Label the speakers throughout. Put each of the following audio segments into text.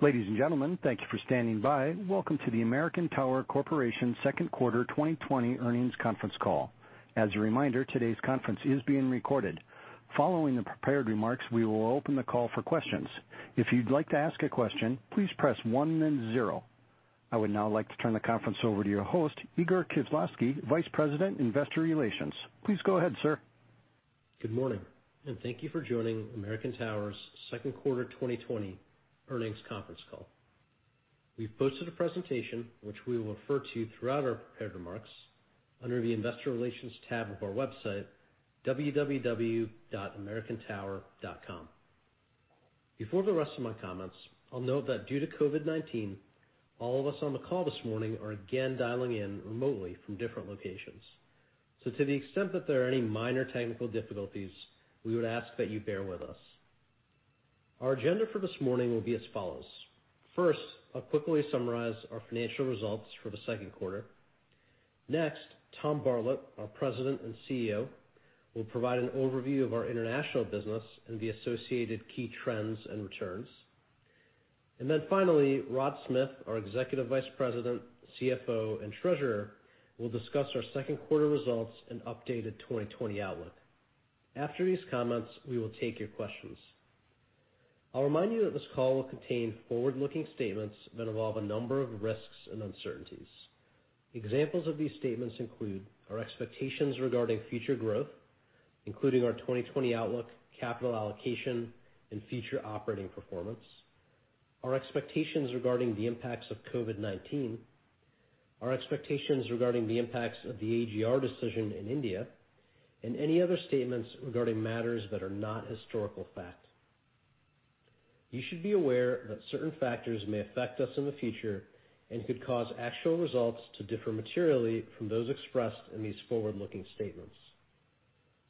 Speaker 1: Ladies and gentlemen, thank you for standing by. Welcome to the American Tower Corporation second quarter 2020 earnings conference call. As a reminder, today's conference is being recorded. Following the prepared remarks, we will open the call for questions. If you'd like to ask a question, please press one then zero. I would now like to turn the conference over to your host, Igor Khislavsky, Vice President, Investor Relations. Please go ahead, sir.
Speaker 2: Good morning, and thank you for joining American Tower's second quarter 2020 earnings conference call. We've posted a presentation, which we will refer to throughout our prepared remarks under the Investor Relations tab of our website, www.americantower.com. Before the rest of my comments, I'll note that due to COVID-19, all of us on the call this morning are again dialing in remotely from different locations. To the extent that there are any minor technical difficulties, we would ask that you bear with us. Our agenda for this morning will be as follows. First, I'll quickly summarize our financial results for the second quarter. Next, Tom Bartlett, our President and CEO, will provide an overview of our international business and the associated key trends and returns, and then finally, Rod Smith, our Executive Vice President, CFO, and Treasurer, will discuss our second quarter results and updated 2020 outlook. After these comments, we will take your questions. I'll remind you that this call will contain forward-looking statements that involve a number of risks and uncertainties. Examples of these statements include our expectations regarding future growth, including our 2020 outlook, capital allocation, and future operating performance. Our expectations regarding the impacts of COVID-19, our expectations regarding the impacts of the AGR decision in India, and any other statements regarding matters that are not historical fact. You should be aware that certain factors may affect us in the future and could cause actual results to differ materially from those expressed in these forward-looking statements.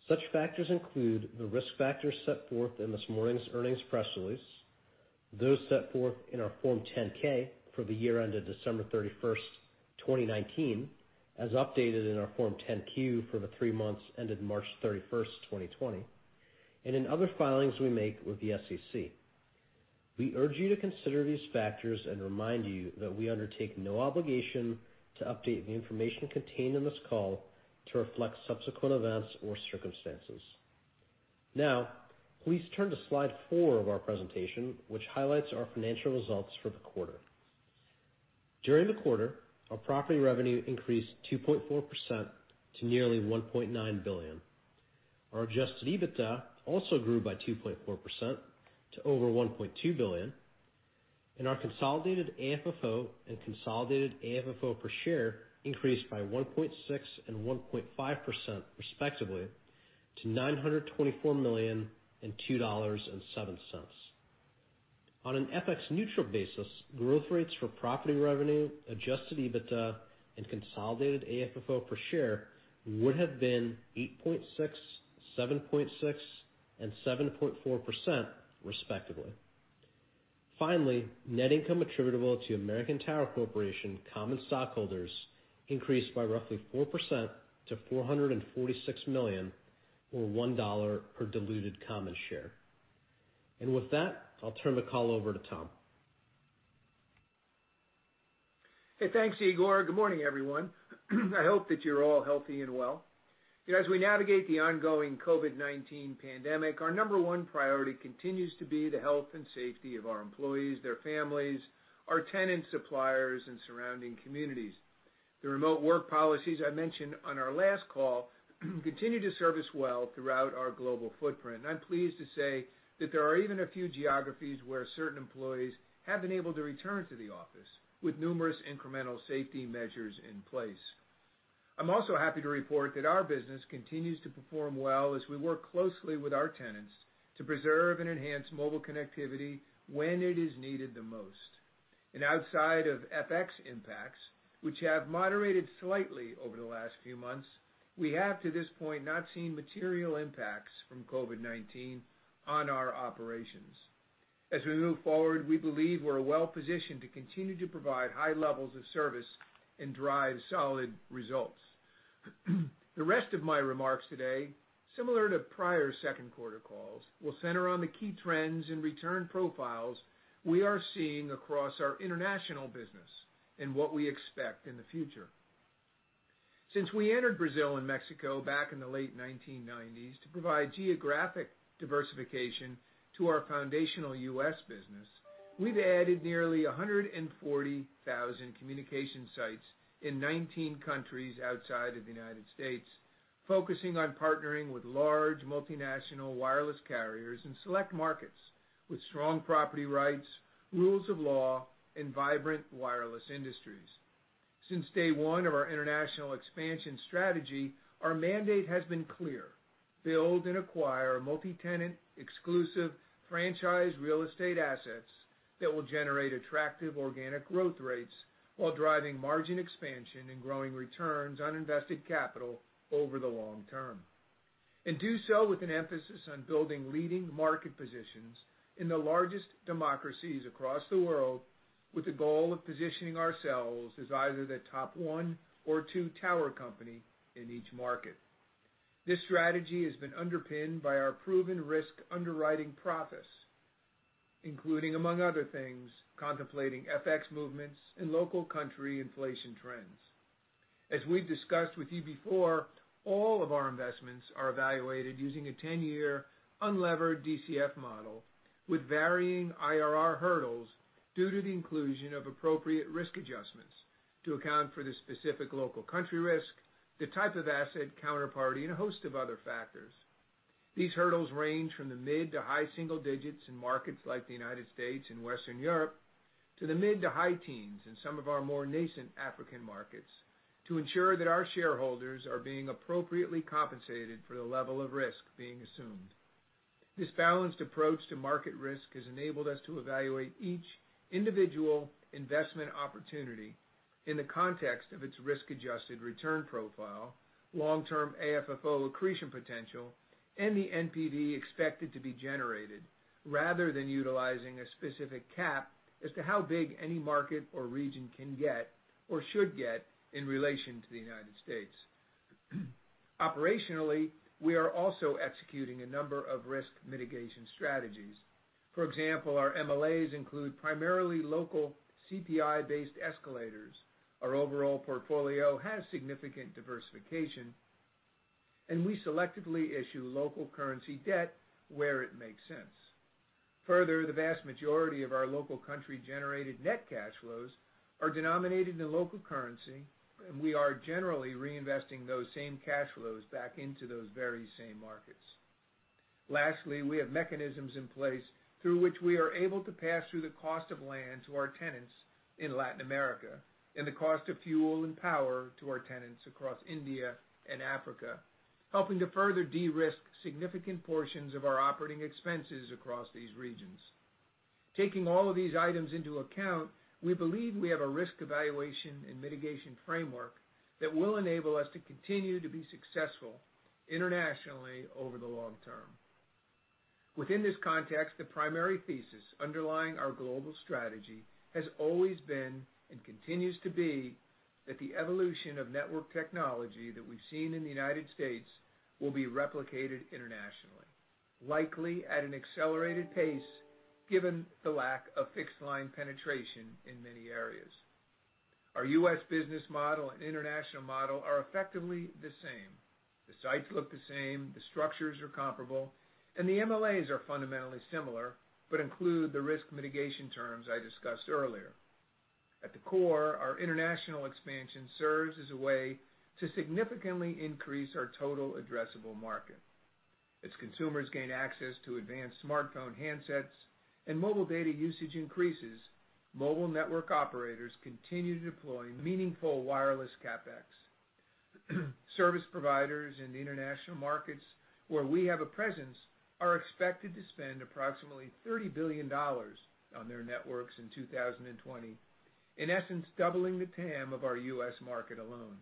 Speaker 2: Such factors include the risk factors set forth in this morning's earnings press release, those set forth in our Form 10-K for the year ended December 31st, 2019, as updated in our Form 10-Q for the three months ended March 31st, 2020, and in other filings we make with the SEC. We urge you to consider these factors and remind you that we undertake no obligation to update the information contained in this call to reflect subsequent events or circumstances. Now, please turn to slide four of our presentation, which highlights our financial results for the quarter. During the quarter, our Property revenue increased 2.4% to nearly $1.9 billion. Our adjusted EBITDA also grew by 2.4% to over $1.2 billion, and our consolidated AFFO and consolidated AFFO per share increased by 1.6% and 1.5%, respectively, to $924 million and $2.07. On an FX neutral basis, growth rates for Property revenue, adjusted EBITDA, and consolidated AFFO per share would have been 8.6%, 7.6%, and 7.4%, respectively. Finally, net income attributable to American Tower Corporation common stockholders increased by roughly 4% to $446 million, or $1 per diluted common share. With that, I'll turn the call over to Tom.
Speaker 3: Hey, thanks, Igor. Good morning, everyone. I hope that you're all healthy and well. As we navigate the ongoing COVID-19 pandemic, our number one priority continues to be the health and safety of our employees, their families, our tenants, suppliers, and surrounding communities. The remote work policies I mentioned on our last call continue to serve us well throughout our global footprint, and I'm pleased to say that there are even a few geographies where certain employees have been able to return to the office with numerous incremental safety measures in place. I'm also happy to report that our business continues to perform well as we work closely with our tenants to preserve and enhance mobile connectivity when it is needed the most. Outside of FX impacts, which have moderated slightly over the last few months, we have to this point not seen material impacts from COVID-19 on our operations. As we move forward, we believe we're well-positioned to continue to provide high levels of service and drive solid results. The rest of my remarks today, similar to prior second quarter calls, will center on the key trends and return profiles we are seeing across our international business and what we expect in the future. Since we entered Brazil and Mexico back in the late 1990s to provide geographic diversification to our foundational U.S. business, we've added nearly 140,000 communication sites in 19 countries outside of the United States, focusing on partnering with large multinational wireless carriers in select markets with strong Property rights, rules of law, and vibrant wireless industries. Since day one of our international expansion strategy, our mandate has been clear. Build and acquire multi-tenant, exclusive franchise real estate assets that will generate attractive organic growth rates while driving margin expansion and growing returns on invested capital over the long term. Do so with an emphasis on building leading market positions in the largest democracies across the world with the goal of positioning ourselves as either the top one or two tower company in each market. This strategy has been underpinned by our proven risk underwriting process. Including, among other things, contemplating FX movements and local country inflation trends. As we've discussed with you before, all of our investments are evaluated using a 10-year unlevered DCF model with varying IRR hurdles due to the inclusion of appropriate risk adjustments to account for the specific local country risk, the type of asset, counterparty, and a host of other factors. These hurdles range from the mid to high single digits in markets like the United States and Western Europe, to the mid to high teens in some of our more nascent African markets, to ensure that our shareholders are being appropriately compensated for the level of risk being assumed. This balanced approach to market risk has enabled us to evaluate each individual investment opportunity in the context of its risk-adjusted return profile, long-term AFFO accretion potential, and the NPV expected to be generated, rather than utilizing a specific cap as to how big any market or region can get or should get in relation to the United States. Operationally, we are also executing a number of risk mitigation strategies. For example, our MLAs include primarily local CPI-based escalators. Our overall portfolio has significant diversification, and we selectively issue local currency debt where it makes sense. Further, the vast majority of our local country-generated net cash flows are denominated in the local currency, and we are generally reinvesting those same cash flows back into those very same markets. Lastly, we have mechanisms in place through which we are able to pass through the cost of land to our tenants in Latin America and the cost of fuel and power to our tenants across India and Africa, helping to further de-risk significant portions of our operating expenses across these regions. Taking all of these items into account, we believe we have a risk evaluation and mitigation framework that will enable us to continue to be successful internationally over the long term. Within this context, the primary thesis underlying our global strategy has always been and continues to be that the evolution of network technology that we've seen in the United States will be replicated internationally, likely at an accelerated pace, given the lack of fixed line penetration in many areas. Our U.S. business model and international model are effectively the same. The sites look the same, the structures are comparable, and the MLAs are fundamentally similar but include the risk mitigation terms I discussed earlier. At the core, our international expansion serves as a way to significantly increase our total addressable market. As consumers gain access to advanced smartphone handsets and mobile data usage increases, mobile network operators continue to deploy meaningful wireless CapEx. Service providers in the international markets where we have a presence are expected to spend approximately $30 billion on their networks in 2020, in essence, doubling the TAM of our U.S. market alone.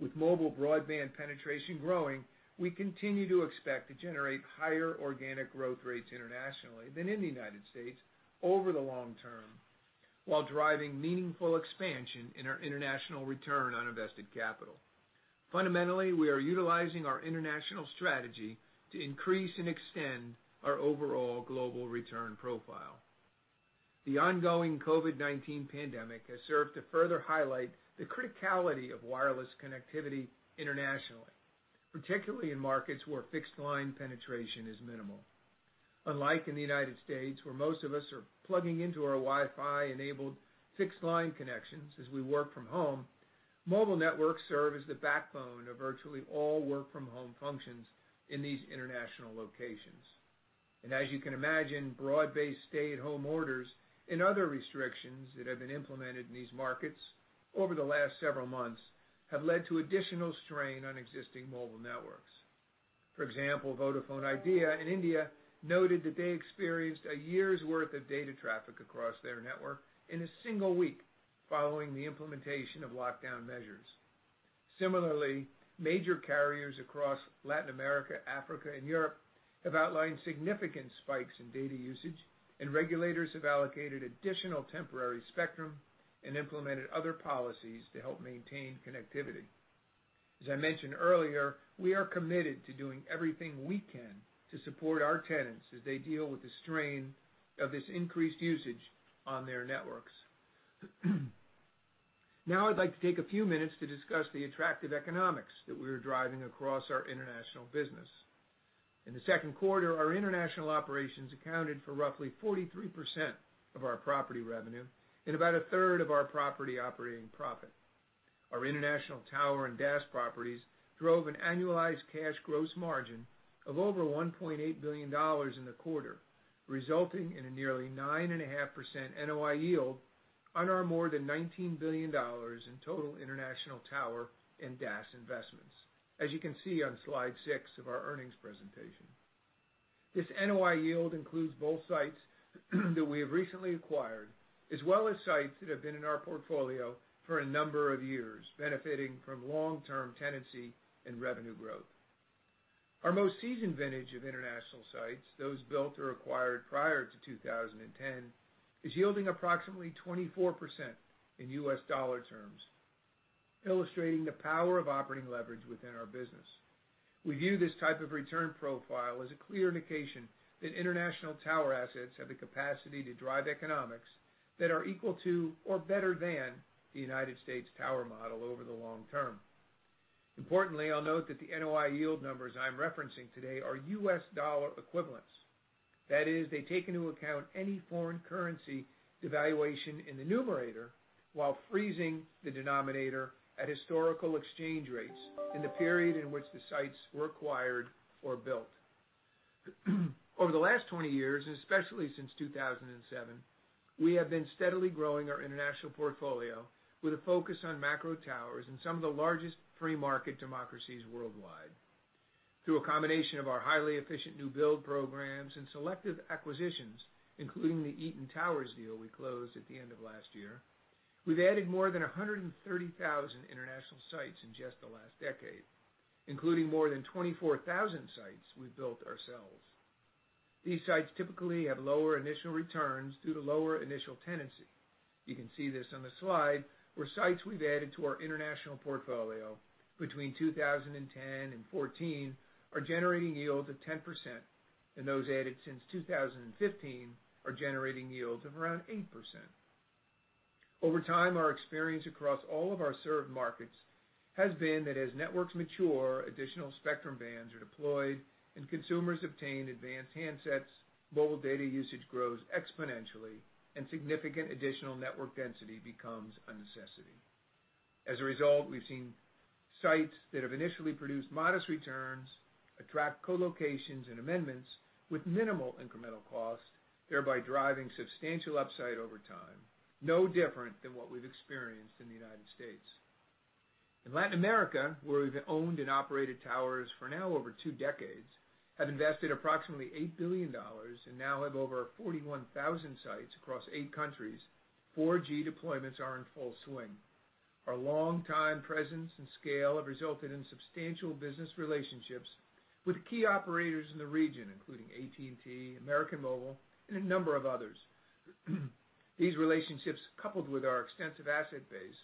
Speaker 3: With mobile broadband penetration growing, we continue to expect to generate higher organic growth rates internationally than in the United States over the long term, while driving meaningful expansion in our international return on invested capital. Fundamentally, we are utilizing our international strategy to increase and extend our overall global return profile. The ongoing COVID-19 pandemic has served to further highlight the criticality of wireless connectivity internationally, particularly in markets where fixed line penetration is minimal. Unlike in the United States, where most of us are plugging into our Wi-Fi-enabled fixed line connections as we work from home, mobile networks serve as the backbone of virtually all work-from-home functions in these international locations. And as you can imagine, broad-based stay-at-home orders and other restrictions that have been implemented in these markets over the last several months have led to additional strain on existing mobile networks. For example, Vodafone Idea in India noted that they experienced a year's worth of data traffic across their network in a single week following the implementation of lockdown measures. Similarly, major carriers across Latin America, Africa, and Europe have outlined significant spikes in data usage, and regulators have allocated additional temporary spectrum and implemented other policies to help maintain connectivity. As I mentioned earlier, we are committed to doing everything we can to support our tenants as they deal with the strain of this increased usage on their networks. Now, I'd like to take a few minutes to discuss the attractive economics that we are driving across our international business. In the second quarter, our international operations accounted for roughly 43% of our Property revenue and about 1/3 of our Property operating profit. Our international tower and DAS properties drove an annualized cash gross margin of over $1.8 billion in the quarter, resulting in a nearly 9.5% NOI yield on our more than $19 billion in total international tower and DAS investments, as you can see on slide six of our earnings presentation. This NOI yield includes both sites that we have recently acquired, as well as sites that have been in our portfolio for a number of years, benefiting from long-term tenancy and revenue growth. Our most seasoned vintage of international sites, those built or acquired prior to 2010, is yielding approximately 24% in U.S. dollar terms illustrating the power of operating leverage within our business. We view this type of return profile as a clear indication that international tower assets have the capacity to drive economics that are equal to or better than the United States Tower model over the long term. Importantly, I'll note that the NOI yield numbers I'm referencing today are U.S. dollar equivalents. That is, they take into account any foreign currency devaluation in the numerator while freezing the denominator at historical exchange rates in the period in which the sites were acquired or built. Over the last 20 years, and especially since 2007, we have been steadily growing our international portfolio with a focus on macro towers in some of the largest free market democracies worldwide. Through a combination of our highly efficient new build programs and selective acquisitions, including the Eaton Towers deal we closed at the end of last year, we've added more than 130,000 international sites in just the last decade, including more than 24,000 sites we've built ourselves. These sites typically have lower initial returns due to lower initial tenancy. You can see this on the slide, where sites we've added to our international portfolio between 2010 and 2014 are generating yields of 10%, and those added since 2015 are generating yields of around 8%. Over time, our experience across all of our served markets has been that as networks mature, additional spectrum bands are deployed, and consumers obtain advanced handsets, mobile data usage grows exponentially, and significant additional network density becomes a necessity. As a result, we've seen sites that have initially produced modest returns, attract co-locations and amendments with minimal incremental cost, thereby driving substantial upside over time, no different than what we've experienced in the United States. In Latin America, where we've owned and operated towers for now over two decades, have invested approximately $8 billion and now have over 41,000 sites across eight countries, 4G deployments are in full swing. Our longtime presence and scale have resulted in substantial business relationships with key operators in the region, including AT&T, América Móvil, and a number of others. These relationships, coupled with our extensive asset base,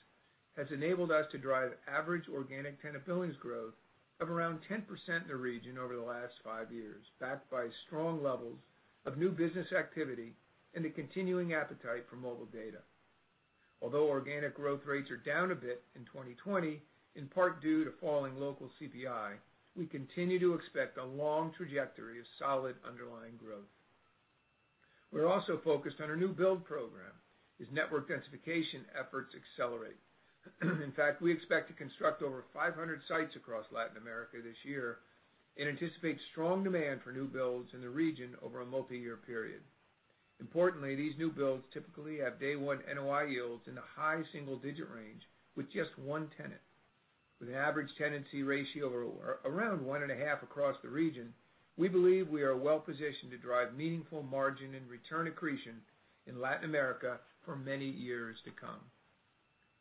Speaker 3: has enabled us to drive average organic tenant billings growth of around 10% in the region over the last five years, backed by strong levels of new business activity and a continuing appetite for mobile data. Although organic growth rates are down a bit in 2020, in part due to falling local CPI, we continue to expect a long trajectory of solid underlying growth. We're also focused on our new build program as network densification efforts accelerate. In fact, we expect to construct over 500 sites across Latin America this year and anticipate strong demand for new builds in the region over a multi-year period. Importantly, these new builds typically have day one NOI yields in the high single-digit range with just one tenant. With an average tenancy ratio around 1.5 across the region, we believe we are well-positioned to drive meaningful margin and return accretion in Latin America for many years to come.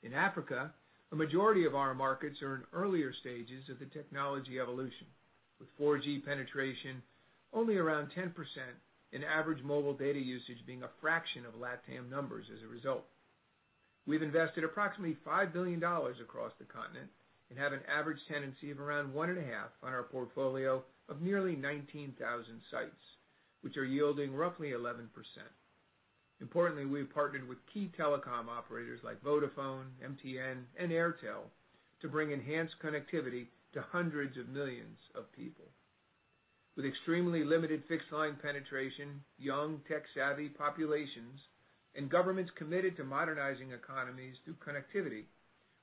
Speaker 3: In Africa, a majority of our markets are in earlier stages of the technology evolution, with 4G penetration only around 10% and average mobile data usage being a fraction of LatAm numbers as a result. We've invested approximately $5 billion across the continent and have an average tenancy of around 1.5 on our portfolio of nearly 19,000 sites, which are yielding roughly 11%. Importantly, we've partnered with key telecom operators like Vodafone, MTN, and Airtel to bring enhanced connectivity to hundreds of millions of people. With extremely limited fixed-line penetration, young tech-savvy populations, and governments committed to modernizing economies through connectivity,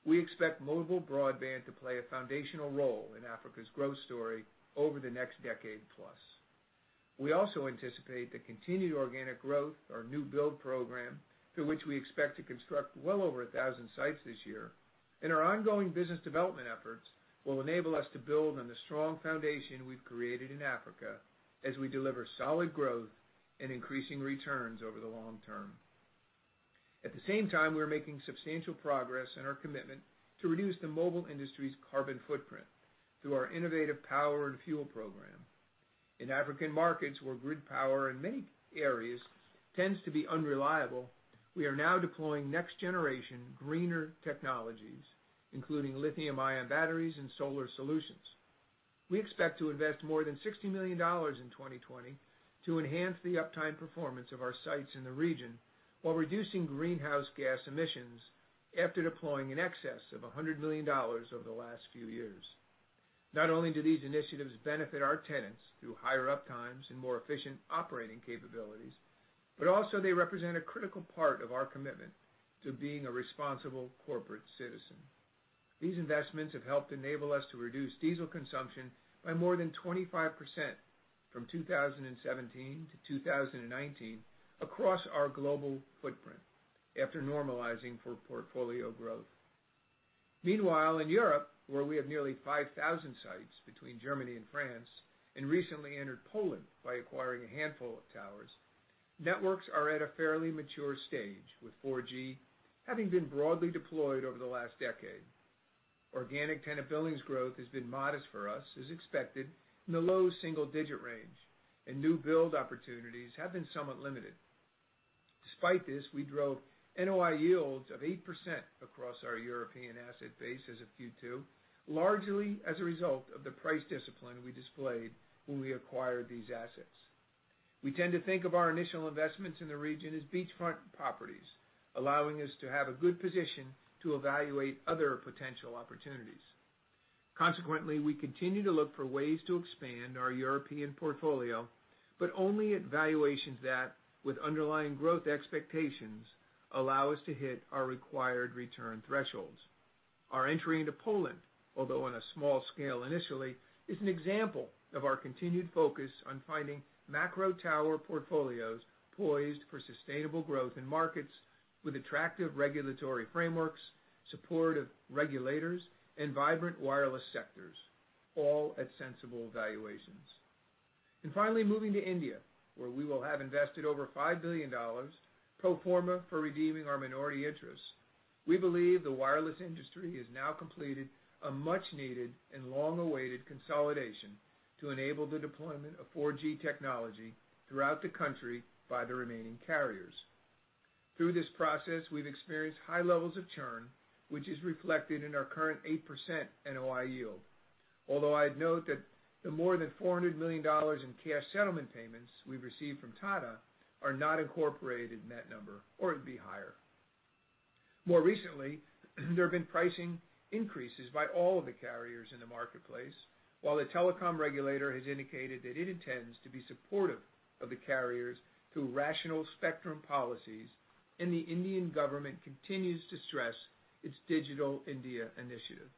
Speaker 3: we expect mobile broadband to play a foundational role in Africa's growth story over the next decade plus. We also anticipate the continued organic growth, our new build program, through which we expect to construct well over 1,000 sites this year, and our ongoing business development efforts will enable us to build on the strong foundation we've created in Africa as we deliver solid growth and increasing returns over the long term. At the same time, we are making substantial progress in our commitment to reduce the mobile industry's carbon footprint through our innovative power and fuel program. In African markets, where grid power in many areas tends to be unreliable, we are now deploying next-generation greener technologies, including lithium-ion batteries and solar solutions. We expect to invest more than $60 million in 2020 to enhance the uptime performance of our sites in the region while reducing greenhouse gas emissions after deploying in excess of $100 million over the last few years. Not only do these initiatives benefit our tenants through higher uptimes and more efficient operating capabilities, but also they represent a critical part of our commitment to being a responsible corporate citizen. These investments have helped enable us to reduce diesel consumption by more than 25% from 2017-2019 across our global footprint after normalizing for portfolio growth. Meanwhile, in Europe, where we have nearly 5,000 sites between Germany and France and recently entered Poland by acquiring a handful of towers, networks are at a fairly mature stage, with 4G having been broadly deployed over the last decade. Organic tenant billings growth has been modest for us, as expected, in the low double single digit range, and new build opportunities have been somewhat limited. Despite this, we drove NOI yields of 8% across our European asset base as of Q2, largely as a result of the price discipline we displayed when we acquired these assets. We tend to think of our initial investments in the region as beachfront properties, allowing us to have a good position to evaluate other potential opportunities. Consequently, we continue to look for ways to expand our European portfolio, but only at valuations that, with underlying growth expectations, allow us to hit our required return thresholds. Our entry into Poland, although on a small scale initially, is an example of our continued focus on finding macro tower portfolios poised for sustainable growth in markets with attractive regulatory frameworks, supportive regulators, and vibrant wireless sectors, all at sensible valuations. Finally, moving to India, where we will have invested over $5 billion pro forma for redeeming our minority interests. We believe the wireless industry has now completed a much-needed and long-awaited consolidation to enable the deployment of 4G technology throughout the country by the remaining carriers. Through this process, we've experienced high levels of churn, which is reflected in our current 8% NOI yield. Although I'd note that the more than $400 million in cash settlement payments we've received from Tata are not incorporated in that number, or it'd be higher. More recently, there have been pricing increases by all of the carriers in the marketplace, while the telecom regulator has indicated that it intends to be supportive of the carriers through rational spectrum policies, and the Indian government continues to stress its Digital India initiative.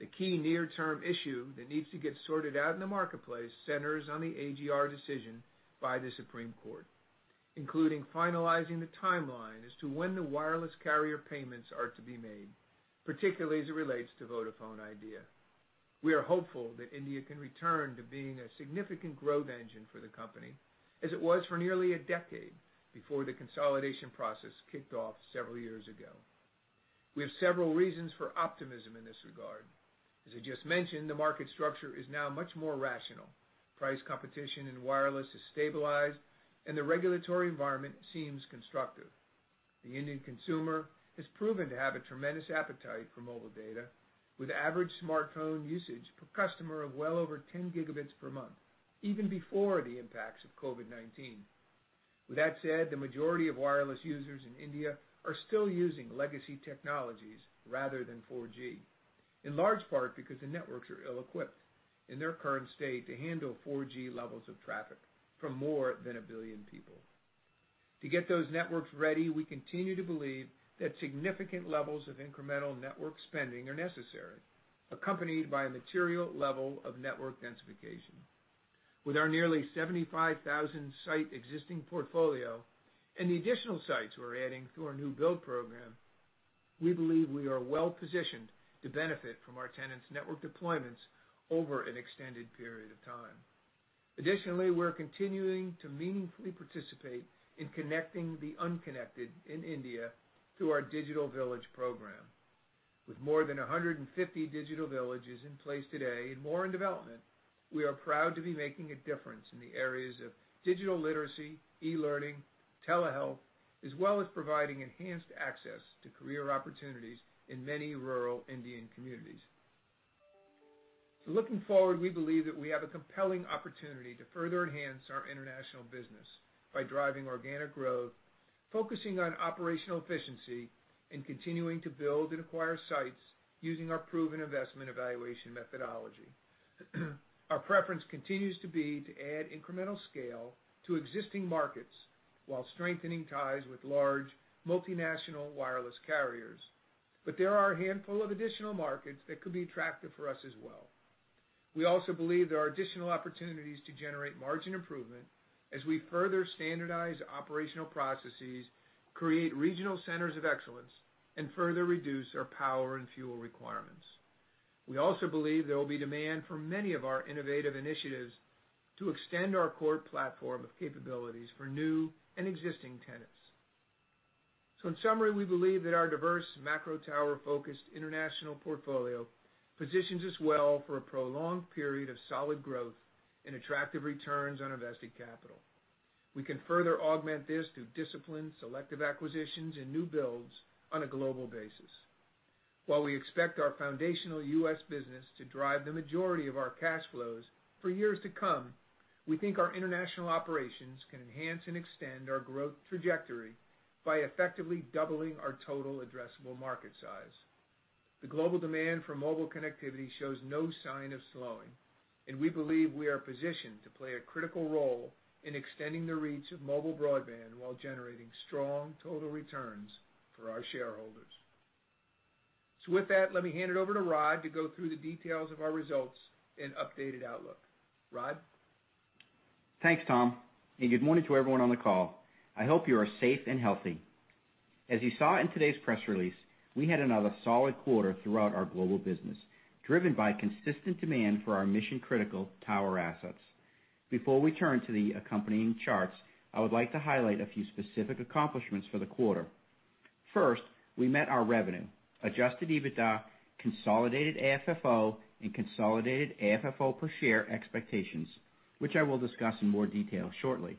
Speaker 3: The key near-term issue that needs to get sorted out in the marketplace centers on the AGR decision by the Supreme Court, including finalizing the timeline as to when the wireless carrier payments are to be made, particularly as it relates to Vodafone Idea. We are hopeful that India can return to being a significant growth engine for the company as it was for nearly a decade before the consolidation process kicked off several years ago. We have several reasons for optimism in this regard. As I just mentioned, the market structure is now much more rational. Price competition in wireless has stabilized, and the regulatory environment seems constructive. The Indian consumer has proven to have a tremendous appetite for mobile data, with average smartphone usage per customer of well over 10 GB per month, even before the impacts of COVID-19. With that said, the majority of wireless users in India are still using legacy technologies rather than 4G, in large part because the networks are ill-equipped in their current state to handle 4G levels of traffic from more than 1 billion people. To get those networks ready, we continue to believe that significant levels of incremental network spending are necessary, accompanied by a material level of network densification. With our nearly 75,000-site existing portfolio and the additional sites we are adding through our new build program, we believe we are well-positioned to benefit from our tenants' network deployments over an extended period of time. Additionally, we're continuing to meaningfully participate in connecting the unconnected in India through our Digital Village program. With more than 150 digital villages in place today and more in development, we are proud to be making a difference in the areas of digital literacy, e-learning, telehealth, as well as providing enhanced access to career opportunities in many rural Indian communities. Looking forward, we believe that we have a compelling opportunity to further enhance our international business by driving organic growth, focusing on operational efficiency, and continuing to build and acquire sites using our proven investment evaluation methodology. Our preference continues to be to add incremental scale to existing markets while strengthening ties with large multinational wireless carriers but there are a handful of additional markets that could be attractive for us as well. We also believe there are additional opportunities to generate margin improvement as we further standardize operational processes, create regional centers of excellence, and further reduce our power and fuel requirements. We also believe there will be demand for many of our innovative initiatives to extend our core platform of capabilities for new and existing tenants. In summary, we believe that our diverse macro-tower-focused international portfolio positions us well for a prolonged period of solid growth and attractive returns on invested capital. We can further augment this through disciplined selective acquisitions and new builds on a global basis. While we expect our foundational U.S. business to drive the majority of our cash flows for years to come, we think our international operations can enhance and extend our growth trajectory by effectively doubling our total addressable market size. The global demand for mobile connectivity shows no sign of slowing, and we believe we are positioned to play a critical role in extending the reach of mobile broadband while generating strong total returns for our shareholders. With that, let me hand it over to Rod to go through the details of our results and updated outlook. Rod?
Speaker 4: Thanks, Tom. Good morning to everyone on the call. I hope you are safe and healthy. As you saw in today's press release, we had another solid quarter throughout our global business, driven by consistent demand for our mission-critical tower assets. Before we turn to the accompanying charts, I would like to highlight a few specific accomplishments for the quarter. First, we met our revenue, adjusted EBITDA, consolidated AFFO, and consolidated AFFO per share expectations, which I will discuss in more detail shortly.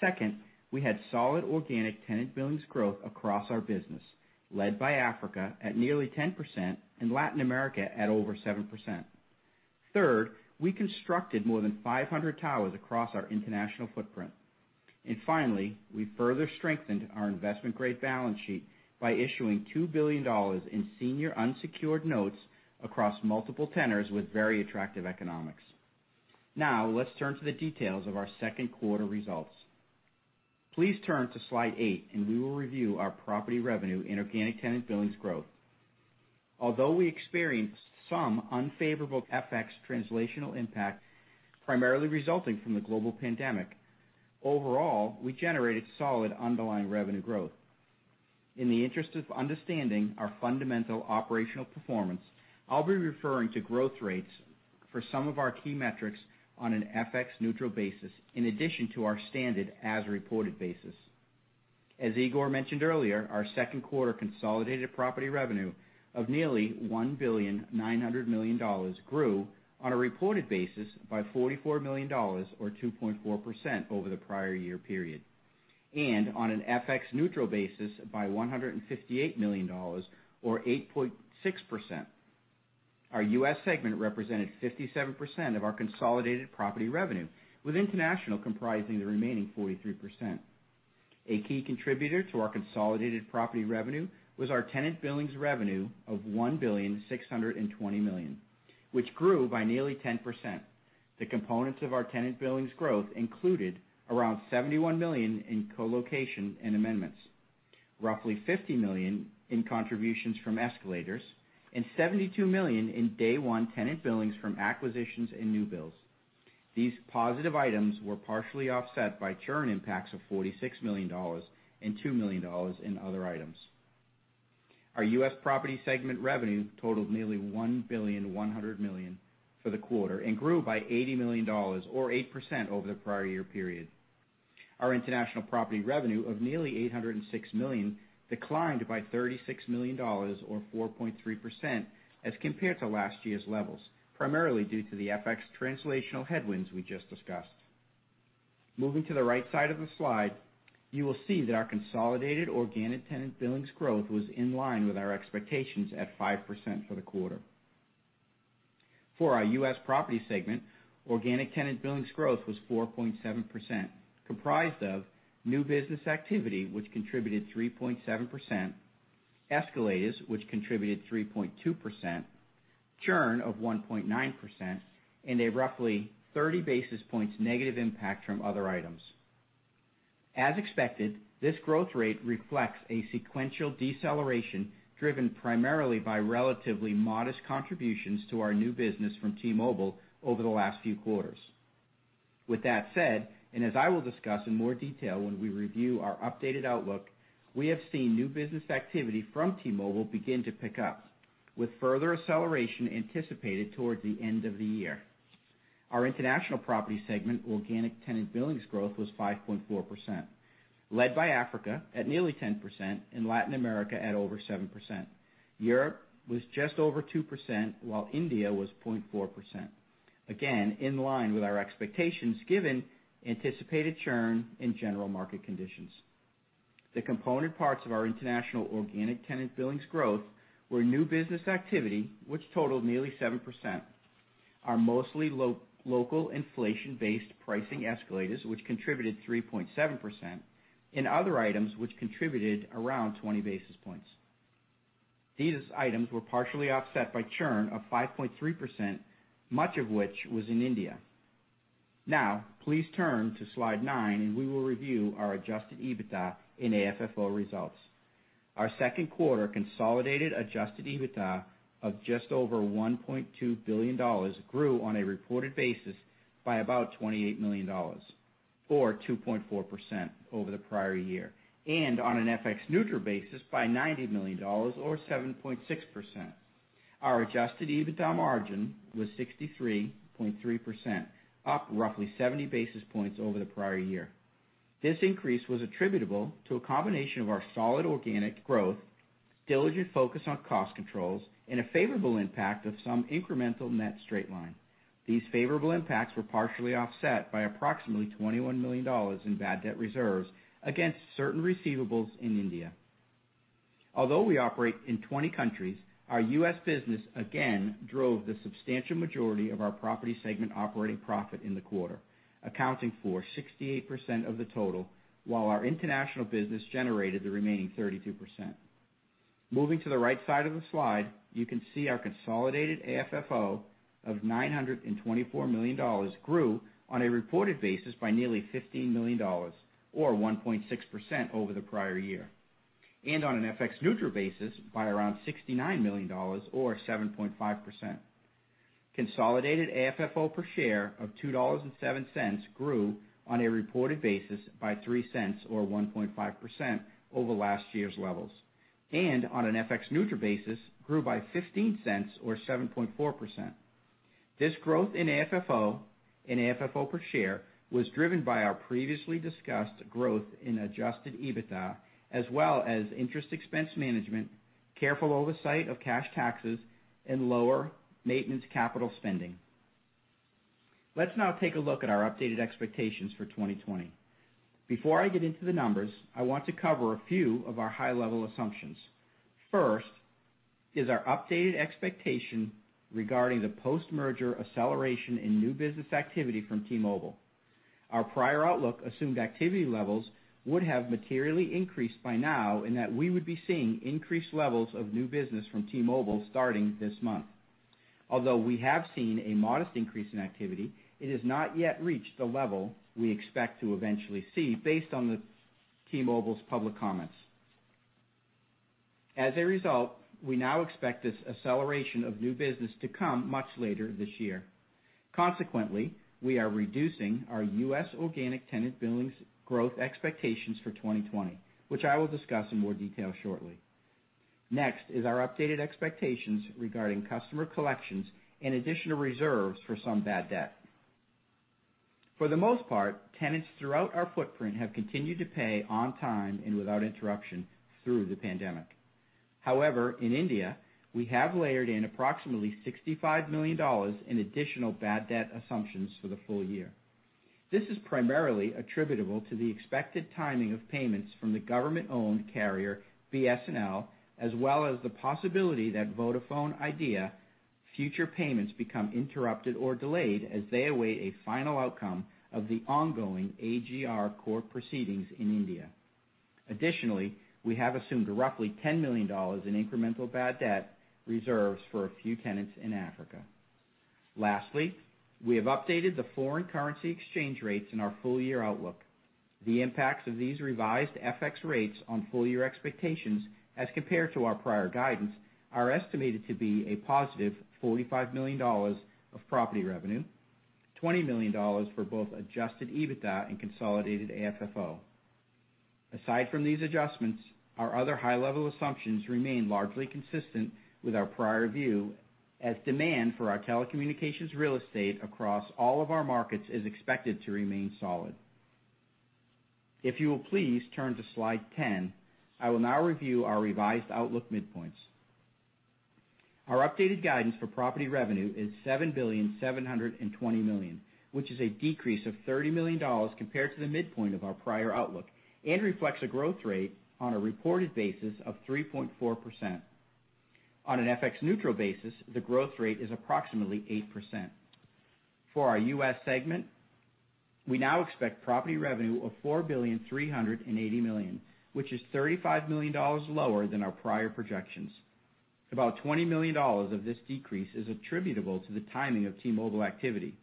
Speaker 4: Second, we had solid organic tenant billings growth across our business, led by Africa at nearly 10% and Latin America at over 7%. Third, we constructed more than 500 towers across our international footprint. Finally, we further strengthened our investment-grade balance sheet by issuing $2 billion in senior unsecured notes across multiple tenors with very attractive economics. Now, let's turn to the details of our second quarter results. Please turn to slide eight, and we will review our Property revenue and organic tenant billings growth. Although we experienced some unfavorable FX translational impact, primarily resulting from the global pandemic, overall, we generated solid underlying revenue growth. In the interest of understanding our fundamental operational performance, I'll be referring to growth rates for some of our key metrics on an FX neutral basis, in addition to our standard as reported basis. As Igor mentioned earlier, our second quarter consolidated Property revenue of nearly $1.9 billion grew on a reported basis by $44 million, or 2.4% over the prior year period. On an FX neutral basis by $158 million or 8.6%. Our U.S. segment represented 57% of our consolidated Property revenue, with international comprising the remaining 43%. A key contributor to our consolidated Property revenue was our tenant billings revenue of $1,620,000,000, which grew by nearly 10%. The components of our tenant billings growth included around $71 million in co-location and amendments, roughly $50 million in contributions from escalators, and $72 million in day one tenant billings from acquisitions and new builds. These positive items were partially offset by churn impacts of $46 million and $2 million in other items. Our U.S. Property segment revenue totaled nearly $1,100,000,000 for the quarter, and grew by $80 million, or 8% over the prior-year period. Our international Property revenue of nearly $806 million, declined by $36 million, or 4.3% as compared to last year's levels, primarily due to the FX translational headwinds we just discussed. Moving to the right side of the slide, you will see that our consolidated organic tenant billings growth was in line with our expectations at 5% for the quarter. For our U.S. Property segment, organic tenant billings growth was 4.7%, comprised of new business activity, which contributed 3.7%, escalators, which contributed 3.2%, churn of 1.9%, and a roughly 30 basis points negative impact from other items. As expected, this growth rate reflects a sequential deceleration driven primarily by relatively modest contributions to our new business from T-Mobile over the last few quarters. With that said, and as I will discuss in more detail when we review our updated outlook, we have seen new business activity from T-Mobile begin to pick up, with further acceleration anticipated towards the end of the year. Our international Property segment organic tenant billings growth was 5.4%, led by Africa at nearly 10% and Latin America at over 7%. Europe was just over 2%, while India was 0.4%. Again, in line with our expectations given anticipated churn and general market conditions. The component parts of our international organic tenant billings growth were new business activity, which totaled nearly 7%, our mostly local inflation-based pricing escalators, which contributed 3.7%, and other items which contributed around 20 basis points. These items were partially offset by churn of 5.3%, much of which was in India. Now, please turn to slide nine, and we will review our adjusted EBITDA in AFFO results. Our second quarter consolidated adjusted EBITDA of just over $1.2 billion grew on a reported basis by about $28 million, or 2.4% over the prior year. On an FX neutral basis by $90 million or 7.6%. Our adjusted EBITDA margin was 63.3%, up roughly 70 basis points over the prior year. This increase was attributable to a combination of our solid organic growth, diligent focus on cost controls, and a favorable impact of some incremental net straight line. These favorable impacts were partially offset by approximately $21 million in bad debt reserves against certain receivables in India. Although we operate in 20 countries, our U.S. business again drove the substantial majority of our Property segment operating profit in the quarter, accounting for 68% of the total, while our international business generated the remaining 32%. Moving to the right side of the slide, you can see our consolidated AFFO of $924 million grew on a reported basis by nearly $15 million, or 1.6% over the prior year. On an FX neutral basis by around $69 million or 7.5%. Consolidated AFFO per share of $2.07 grew on a reported basis by $0.03 or 1.5% over last year's levels, and on an FX neutral basis, grew by $0.15 or 7.4%. This growth in AFFO and AFFO per share was driven by our previously discussed growth in adjusted EBITDA, as well as interest expense management, careful oversight of cash taxes, and lower maintenance capital spending. Let's now take a look at our updated expectations for 2020. Before I get into the numbers, I want to cover a few of our high-level assumptions. First is our updated expectation regarding the post-merger acceleration in new business activity from T-Mobile. Our prior outlook assumed activity levels would have materially increased by now, and that we would be seeing increased levels of new business from T-Mobile starting this month. Although we have seen a modest increase in activity, it has not yet reached the level we expect to eventually see based on T-Mobile's public comments. As a result, we now expect this acceleration of new business to come much later this year. Consequently, we are reducing our U.S. organic tenant billings growth expectations for 2020, which I will discuss in more detail shortly. Next is our updated expectations regarding customer collections and additional reserves for some bad debt. For the most part, tenants throughout our footprint have continued to pay on time and without interruption through the pandemic. However, in India, we have layered in approximately $65 million in additional bad debt assumptions for the full year. This is primarily attributable to the expected timing of payments from the government-owned carrier, BSNL, as well as the possibility that Vodafone Idea future payments become interrupted or delayed as they await a final outcome of the ongoing AGR court proceedings in India. Additionally, we have assumed roughly $10 million in incremental bad debt reserves for a few tenants in Africa. Lastly, we have updated the foreign currency exchange rates in our full-year outlook. The impacts of these revised FX rates on full-year expectations as compared to our prior guidance are estimated to be a $+45 million of Property revenue, $20 million for both adjusted EBITDA and consolidated AFFO. Aside from these adjustments, our other high-level assumptions remain largely consistent with our prior view, as demand for our telecommunications real estate across all of our markets is expected to remain solid. If you will please turn to slide 10, I will now review our revised outlook midpoints. Our updated guidance for Property revenue is $7.72 billion, which is a decrease of $30 million compared to the midpoint of our prior outlook and reflects a growth rate on a reported basis of 3.4%. On an FX neutral basis, the growth rate is approximately 8%. For our U.S. segment, we now expect Property revenue of $4,380,000,000, which is $35 million lower than our prior projections. About $20 million of this decrease is attributable to the timing of T-Mobile activity,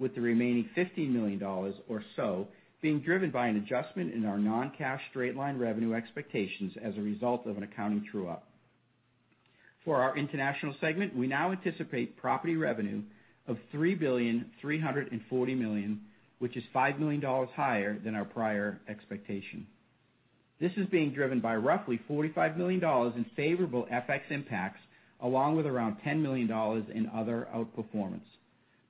Speaker 4: with the remaining $15 million or so being driven by an adjustment in our non-cash straight-line revenue expectations as a result of an accounting true-up. For our international segment, we now anticipate Property revenue of $3,340,000,000, which is $5 million higher than our prior expectation. This is being driven by roughly $45 million in favorable FX impacts, along with around $10 million in other outperformance,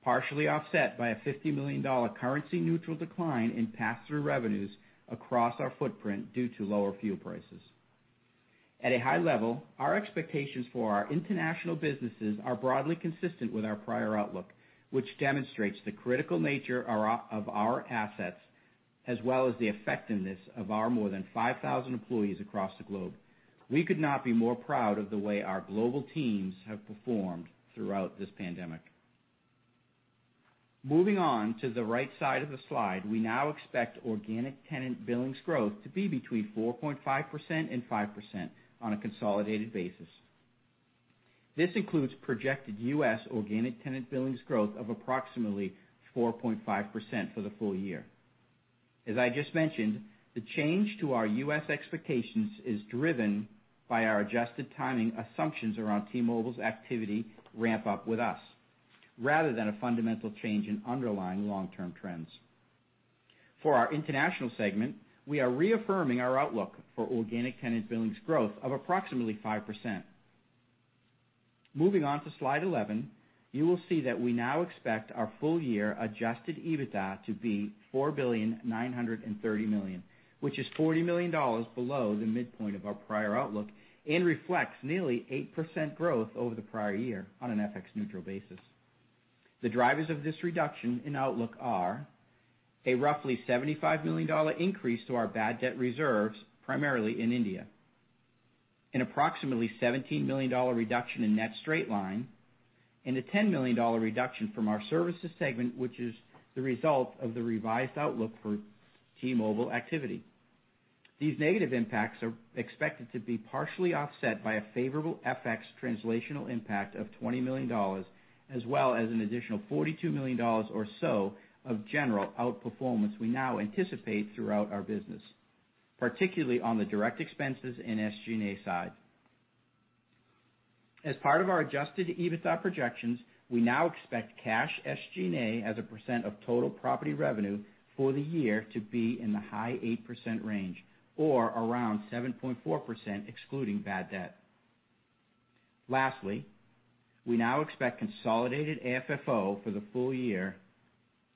Speaker 4: partially offset by a $50 million currency neutral decline in pass-through revenues across our footprint due to lower fuel prices. At a high level, our expectations for our international businesses are broadly consistent with our prior outlook, which demonstrates the critical nature of our assets, as well as the effectiveness of our more than 5,000 employees across the globe. We could not be more proud of the way our global teams have performed throughout this pandemic. Moving on to the right side of the slide, we now expect organic tenant billings growth to be between 4.5% and 5% on a consolidated basis. This includes projected U.S. organic tenant billings growth of approximately 4.5% for the full year. As I just mentioned, the change to our U.S. expectations is driven by our adjusted timing assumptions around T-Mobile's activity ramp up with us, rather than a fundamental change in underlying long-term trends. For our international segment, we are reaffirming our outlook for organic tenant billings growth of approximately 5%. Moving on to slide 11, you will see that we now expect our full year adjusted EBITDA to be $4,930,000,000 which is $40 million below the midpoint of our prior outlook and reflects nearly 8% growth over the prior year on an FX neutral basis. The drivers of this reduction in outlook are a roughly $75 million increase to our bad debt reserves, primarily in India, an approximately $17 million reduction in net straight line, and a $10 million reduction from our Services segment, which is the result of the revised outlook for T-Mobile activity. These negative impacts are expected to be partially offset by a favorable FX translational impact of $20 million, as well as an additional $42 million or so of general outperformance we now anticipate throughout our business, particularly on the direct expenses and SG&A side. As part of our adjusted EBITDA projections, we now expect cash SG&A as a percent of total Property revenue for the year to be in the high 8% range, or around 7.4% excluding bad debt. Lastly, we now expect consolidated AFFO for the full year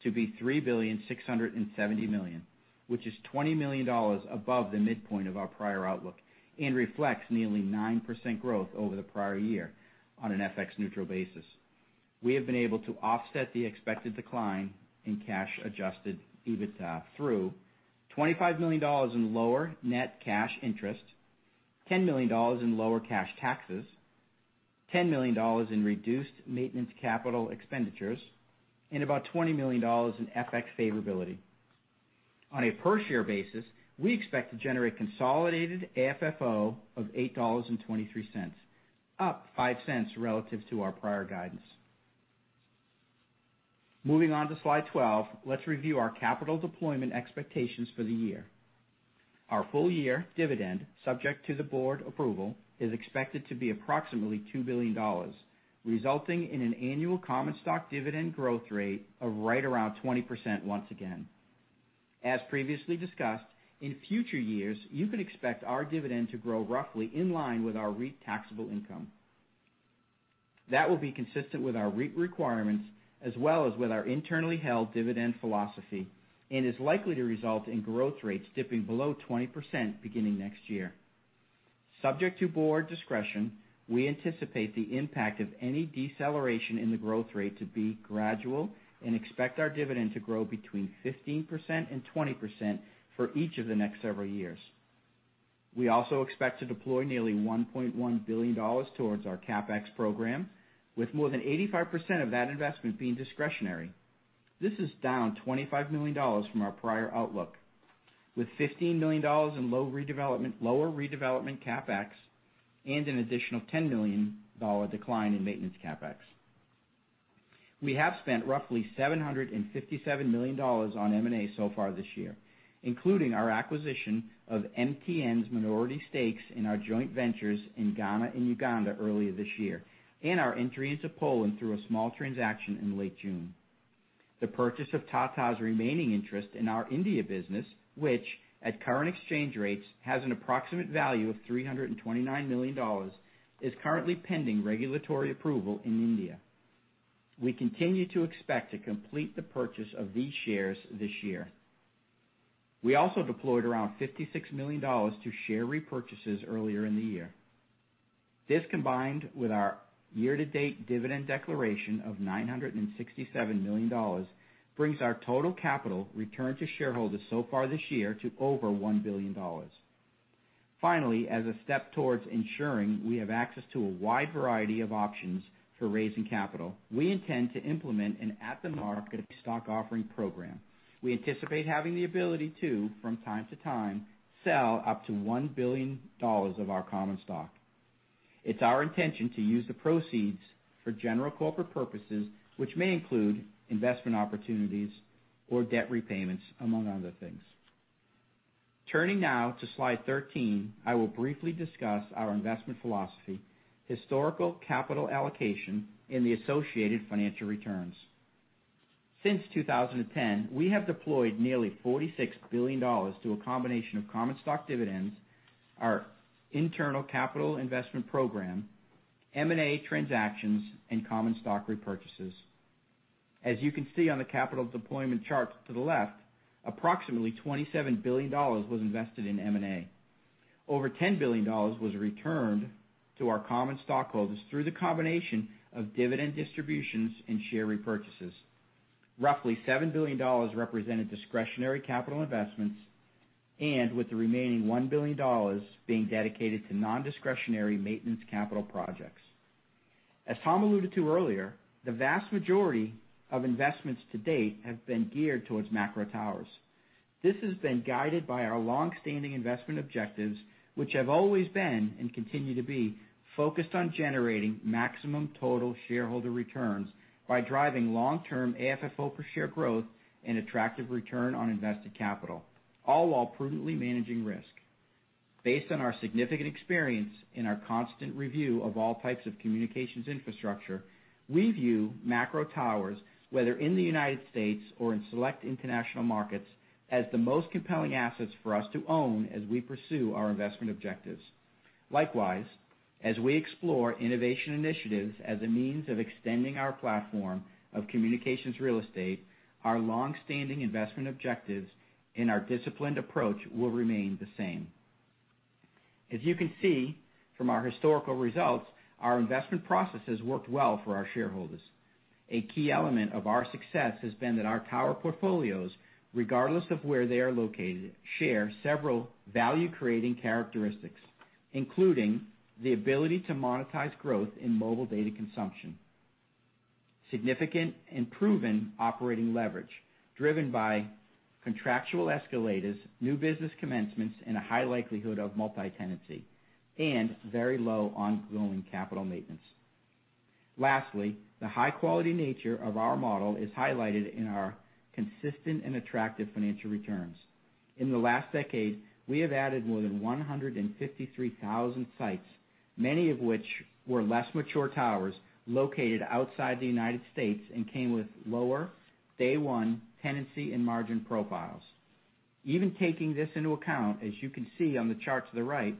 Speaker 4: to be $3,670,000,000, which is $20 million above the midpoint of our prior outlook and reflects nearly 9% growth over the prior year on an FX neutral basis. We have been able to offset the expected decline in cash adjusted EBITDA through $25 million in lower net cash interest, $10 million in lower cash taxes, $10 million in reduced maintenance capital expenditures, and about $20 million in FX favorability. On a per-share basis, we expect to generate consolidated AFFO of $8.23, up $0.05 relative to our prior guidance. Moving on to slide 12, let's review our capital deployment expectations for the year. Our full-year dividend, subject to the Board approval, is expected to be approximately $2 billion, resulting in an annual common stock dividend growth rate of right around 20% once again. As previously discussed, in future years, you could expect our dividend to grow roughly in line with our REIT taxable income. That will be consistent with our REIT requirements as well as with our internally held dividend philosophy and is likely to result in growth rates dipping below 20% beginning next year. Subject to Board discretion, we anticipate the impact of any deceleration in the growth rate to be gradual and expect our dividend to grow between 15% and 20% for each of the next several years. We also expect to deploy nearly $1.1 billion towards our CapEx program, with more than 85% of that investment being discretionary. This is down $25 million from our prior outlook, with $15 million in lower redevelopment CapEx and an additional $10 million decline in maintenance CapEx. We have spent roughly $757 million on M&A so far this year, including our acquisition of MTN's minority stakes in our joint ventures in Ghana and Uganda earlier this year, and our entry into Poland through a small transaction in late June. The purchase of Tata's remaining interest in our India business, which at current exchange rates has an approximate value of $329 million, is currently pending regulatory approval in India. We continue to expect to complete the purchase of these shares this year. We also deployed around $56 million to share repurchases earlier in the year. This, combined with our year-to-date dividend declaration of $967 million, brings our total capital return to shareholders so far this year to over $1 billion. Finally, as a step towards ensuring we have access to a wide variety of options for raising capital, we intend to implement an at-the-market stock offering program. We anticipate having the ability to, from time to time, sell up to $1 billion of our common stock. It's our intention to use the proceeds for general corporate purposes, which may include investment opportunities or debt repayments, among other things. Turning now to slide 13, I will briefly discuss our investment philosophy, historical capital allocation, and the associated financial returns. Since 2010, we have deployed nearly $46 billion to a combination of common stock dividends, our internal capital investment program, M&A transactions, and common stock repurchases. As you can see on the capital deployment chart to the left, approximately $27 billion was invested in M&A. Over $10 billion was returned to our common stockholders through the combination of dividend distributions and share repurchases. Roughly $7 billion represented discretionary capital investments, and with the remaining $1 billion being dedicated to non-discretionary maintenance capital projects. As Tom alluded to earlier, the vast majority of investments to date have been geared towards macro towers. This has been guided by our longstanding investment objectives, which have always been and continue to be focused on generating maximum total shareholder returns by driving long-term AFFO per share growth and attractive return on invested capital, all while prudently managing risk. Based on our significant experience and our constant review of all types of communications infrastructure, we view macro towers, whether in the United States or in select international markets, as the most compelling assets for us to own as we pursue our investment objectives. Likewise, as we explore innovation initiatives as a means of extending our platform of communications real estate, our longstanding investment objectives and our disciplined approach will remain the same. As you can see from our historical results, our investment processes worked well for our shareholders. A key element of our success has been that our tower portfolios, regardless of where they are located, share several value-creating characteristics, including the ability to monetize growth in mobile data consumption, significant and proven operating leverage driven by contractual escalators, new business commencements, and a high likelihood of multi-tenancy, and very low ongoing capital maintenance. Lastly, the high-quality nature of our model is highlighted in our consistent and attractive financial returns. In the last decade, we have added more than 153,000 sites, many of which were less mature towers located outside the United States and came with lower day one tenancy and margin profiles. Even taking this into account, as you can see on the chart to the right,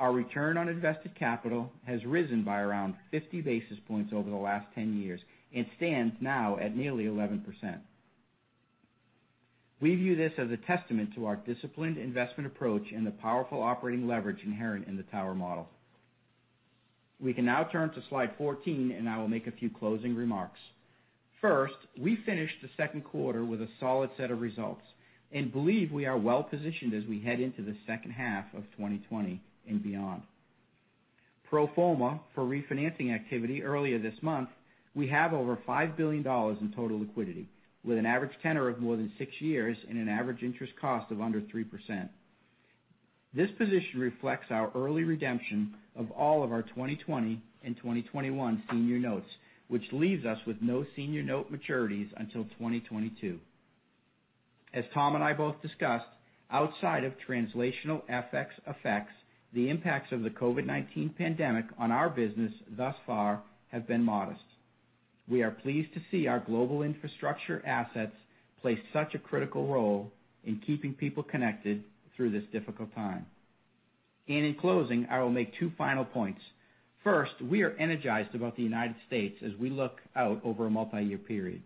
Speaker 4: our return on invested capital has risen by around 50 basis points over the last 10 years and stands now at nearly 11%. We view this as a testament to our disciplined investment approach and the powerful operating leverage inherent in the tower model. We can now turn to slide 14, and I will make a few closing remarks. First, we finished the second quarter with a solid set of results and believe we are well-positioned as we head into the second half of 2020 and beyond. Pro forma for refinancing activity earlier this month, we have over $5 billion in total liquidity, with an average tenor of more than six years and an average interest cost of under 3%. This position reflects our early redemption of all of our 2020 and 2021 senior notes, which leaves us with no senior note maturities until 2022. As Tom and I both discussed, outside of translational FX effects, the impacts of the COVID-19 pandemic on our business thus far have been modest. We are pleased to see our global infrastructure assets play such a critical role in keeping people connected through this difficult time. In closing, I will make two final points. First, we are energized about the United States as we look out over a multi-year period.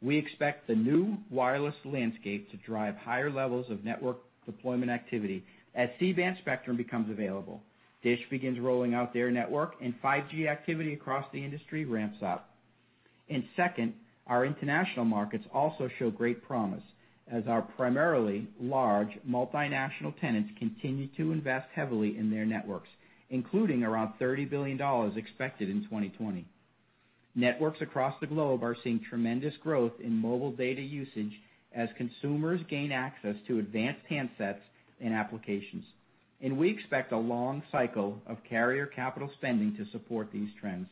Speaker 4: We expect the new wireless landscape to drive higher levels of network deployment activity as C-band spectrum becomes available, DISH begins rolling out their network, and 5G activity across the industry ramps up. And second, our international markets also show great promise as our primarily large multinational tenants continue to invest heavily in their networks, including around $30 billion expected in 2020. Networks across the globe are seeing tremendous growth in mobile data usage as consumers gain access to advanced handsets and applications. We expect a long cycle of carrier capital spending to support these trends.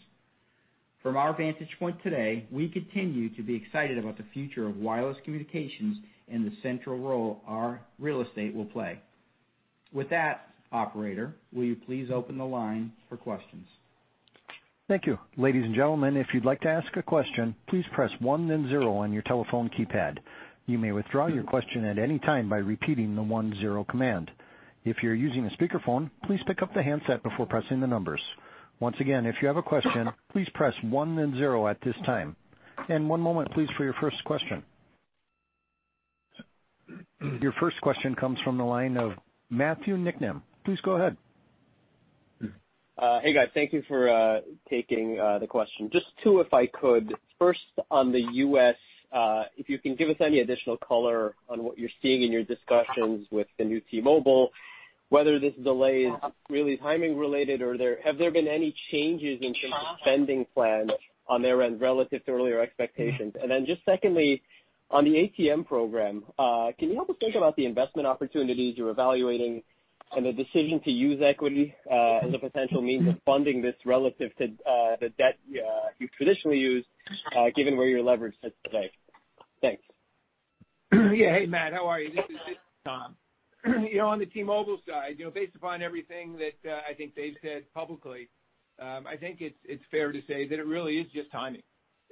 Speaker 4: From our vantage point today, we continue to be excited about the future of wireless communications and the central role our real estate will play. With that, operator, will you please open the line for questions?
Speaker 1: Thank you. Ladies and gentlemen, if you'd like to ask a question, please press one then zero on your telephone keypad. You may withdraw your question at any time by repeating the one, zero command. If you're using a speakerphone, please pick up the handset before pressing the numbers. Once again, if you have a question, please press one then zero at this time. One moment, please, for your first question. Your first question comes from the line of Matthew Niknam. Please go ahead.
Speaker 5: Hey, guys. Thank you for taking the question. Just two, if I could. First on the U.S., if you can give us any additional color on what you're seeing in your discussions with the new T-Mobile, whether this delay is really timing related or have there been any changes in terms of spending plans on their end relative to earlier expectations? Just secondly, on the ATM program, can you help us think about the investment opportunities you're evaluating and the decision to use equity as a potential means of funding this relative to the debt you traditionally use, given where your leverage sits today? Thanks.
Speaker 3: Yeah. Hey, Matt, how are you? This is Tom. On the T-Mobile side, based upon everything that I think they've said publicly, I think it's fair to say that it really is just timing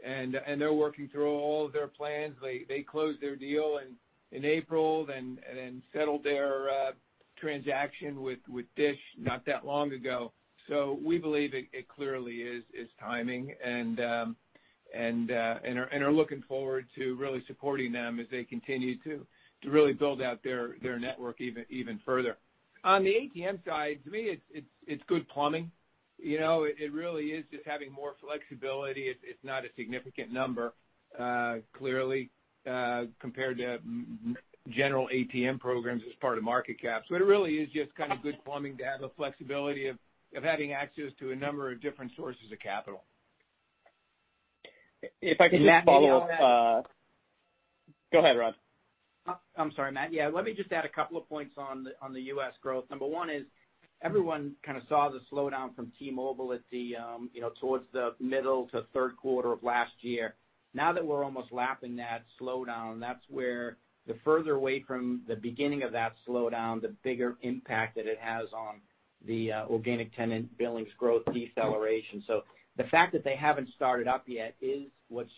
Speaker 3: and they're working through all of their plans. They closed their deal in April and then settled their transaction with DISH not that long ago. We believe it clearly is timing and are looking forward to really supporting them as they continue to really build out their network even further. On the ATM side, to me, it's good plumbing. It really is just having more flexibility. It's not a significant number, clearly, compared to general ATM programs as part of market cap. It really is just kind of good plumbing to have the flexibility of having access to a number of different sources of capital.
Speaker 5: If I could just follow up.
Speaker 4: Matt, do you-
Speaker 3: Go ahead, Rod.
Speaker 4: I'm sorry, Matt. Let me just add a couple of points on the U.S. growth. Number one is everyone kind of saw the slowdown from T-Mobile towards the middle to third quarter of last year. Now that we're almost lapping that slowdown, that's where the further away from the beginning of that slowdown, the bigger impact that it has on the organic tenant billings growth deceleration. The fact that they haven't started up yet is what's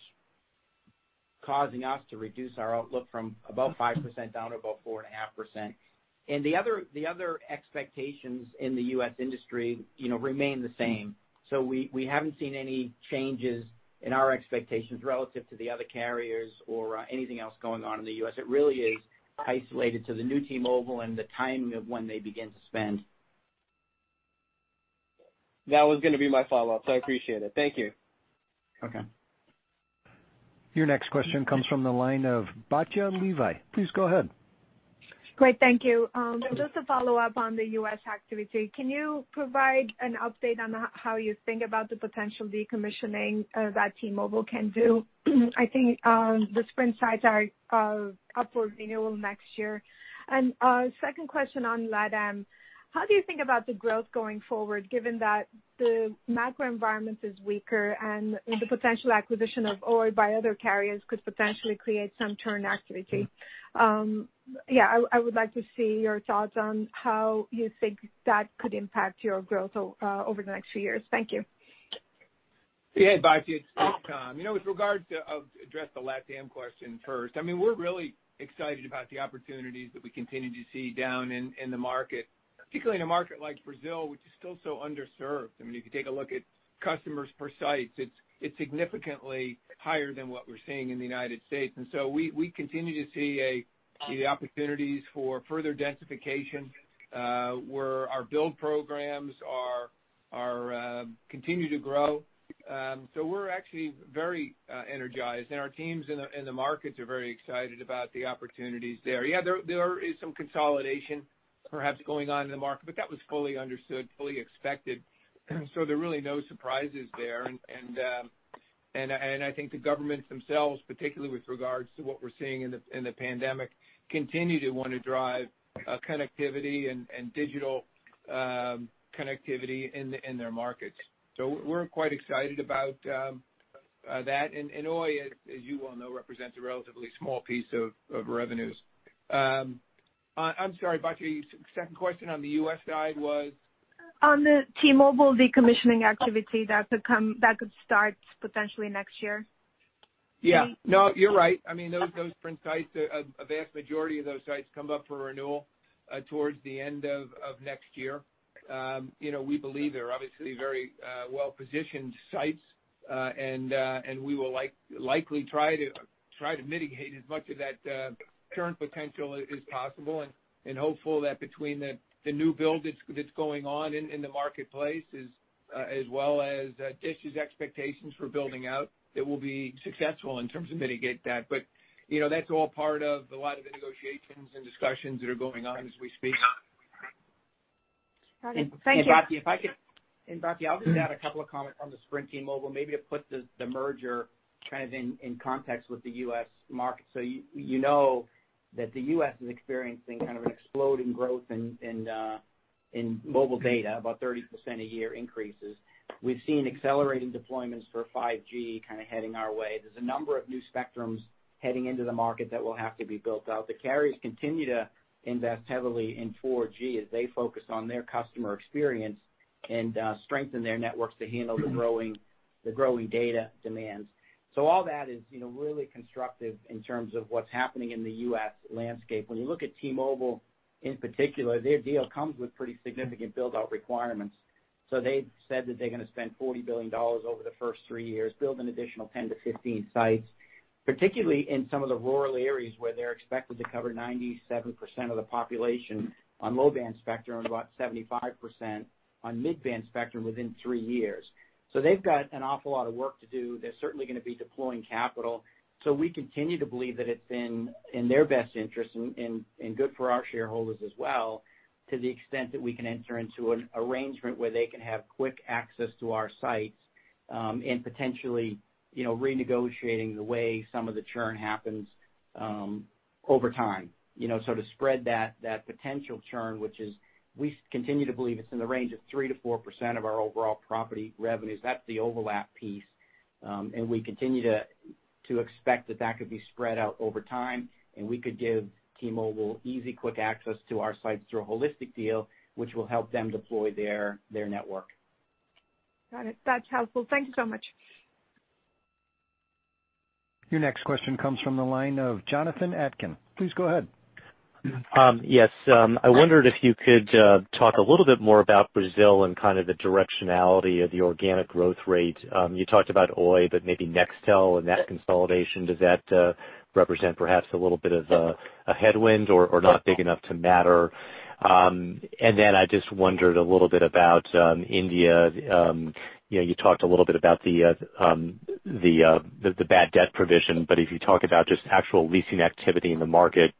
Speaker 4: causing us to reduce our outlook from about 5% down to about 4.5%. The other expectations in the U.S. industry remain the same. We haven't seen any changes in our expectations relative to the other carriers or anything else going on in the U.S. It really is isolated to the new T-Mobile and the timing of when they begin to spend.
Speaker 5: That was gonna be my follow-up. I appreciate it. Thank you.
Speaker 4: Okay.
Speaker 1: Your next question comes from the line of Batya Levi. Please go ahead.
Speaker 6: Great. Thank you. Just a follow-up on the U.S. activity. Can you provide an update on how you think about the potential decommissioning that T-Mobile can do? I think the Sprint sites are up for renewal next year. Second question on LatAm. How do you think about the growth going forward, given that the macro environment is weaker and the potential acquisition of Oi by other carriers could potentially create some churn activity? Yeah, I would like to see your thoughts on how you think that could impact your growth over the next few years. Thank you.
Speaker 3: Yeah, Batya, it's Tom. With regards to- I'll address the LatAm question first. We're really excited about the opportunities that we continue to see down in the market, particularly in a market like Brazil, which is still so underserved. If you take a look at customers per site, it's significantly higher than what we're seeing in the United States and so we continue to see the opportunities for further densification, where our build programs continue to grow. We're actually very energized, and our teams in the markets are very excited about the opportunities there. Yeah, there is some consolidation perhaps going on in the market, but that was fully understood, fully expected, so there are really no surprises there. I think the governments themselves, particularly with regards to what we're seeing in the pandemic, continue to want to drive connectivity and digital connectivity in their markets. We're quite excited about that. Oi, as you well know, represents a relatively small piece of revenues. I'm sorry, Batya, second question on the U.S. side was?
Speaker 6: On the T-Mobile decommissioning activity that could start potentially next year.
Speaker 3: Yeah. No, you're right. Those Sprint sites, a vast majority of those sites come up for renewal towards the end of next year. We believe they're obviously very well-positioned sites, and we will likely try to mitigate as much of that churn potential as possible and hopeful that between the new build that's going on in the marketplace, as well as DISH's expectations for building out, that we'll be successful in terms of mitigate that. That's all part of a lot of the negotiations and discussions that are going on as we speak.
Speaker 6: Got it. Thank you.
Speaker 4: Batya, I'll just add two comments on the Sprint T-Mobile, maybe to put the merger kind of in context with the U.S. market. You know that the U.S. is experiencing kind of an exploding growth in mobile data, about 30% a year increases. We've seen accelerating deployments for 5G kind of heading our way. There's a number of new spectrums heading into the market that will have to be built out. The carriers continue to invest heavily in 4G as they focus on their customer experience and strengthen their networks to handle the growing data demands. All that is really constructive in terms of what's happening in the U.S. landscape. When you look at T-Mobile, in particular, their deal comes with pretty significant build-out requirements. They've said that they're going to spend $40 billion over the first three years, build an additional 10-15 sites, particularly in some of the rural areas where they're expected to cover 97% of the population on low-band spectrum and about 75% on mid-band spectrum within three years. They've got an awful lot of work to do. They're certainly going to be deploying capital. We continue to believe that it's in their best interest and good for our shareholders as well to the extent that we can enter into an arrangement where they can have quick access to our sites, and potentially renegotiating the way some of the churn happens over time. To spread that potential churn, which we continue to believe it's in the range of 3%-4% of our overall Property revenues. That's the overlap piece. We continue to expect that that could be spread out over time, and we could give T-Mobile easy, quick access to our sites through a holistic deal, which will help them deploy their network.
Speaker 6: Got it. That's helpful. Thank you so much.
Speaker 1: Your next question comes from the line of Jonathan Atkin. Please go ahead.
Speaker 7: Yes. I wondered if you could talk a little bit more about Brazil and kind of the directionality of the organic growth rate. You talked about Oi, but maybe Nextel and that consolidation, does that represent perhaps a little bit of a headwind or not big enough to matter? And then I just wondered a little bit about India. You talked a little bit about the bad debt provision, but if you talk about just actual leasing activity in the market,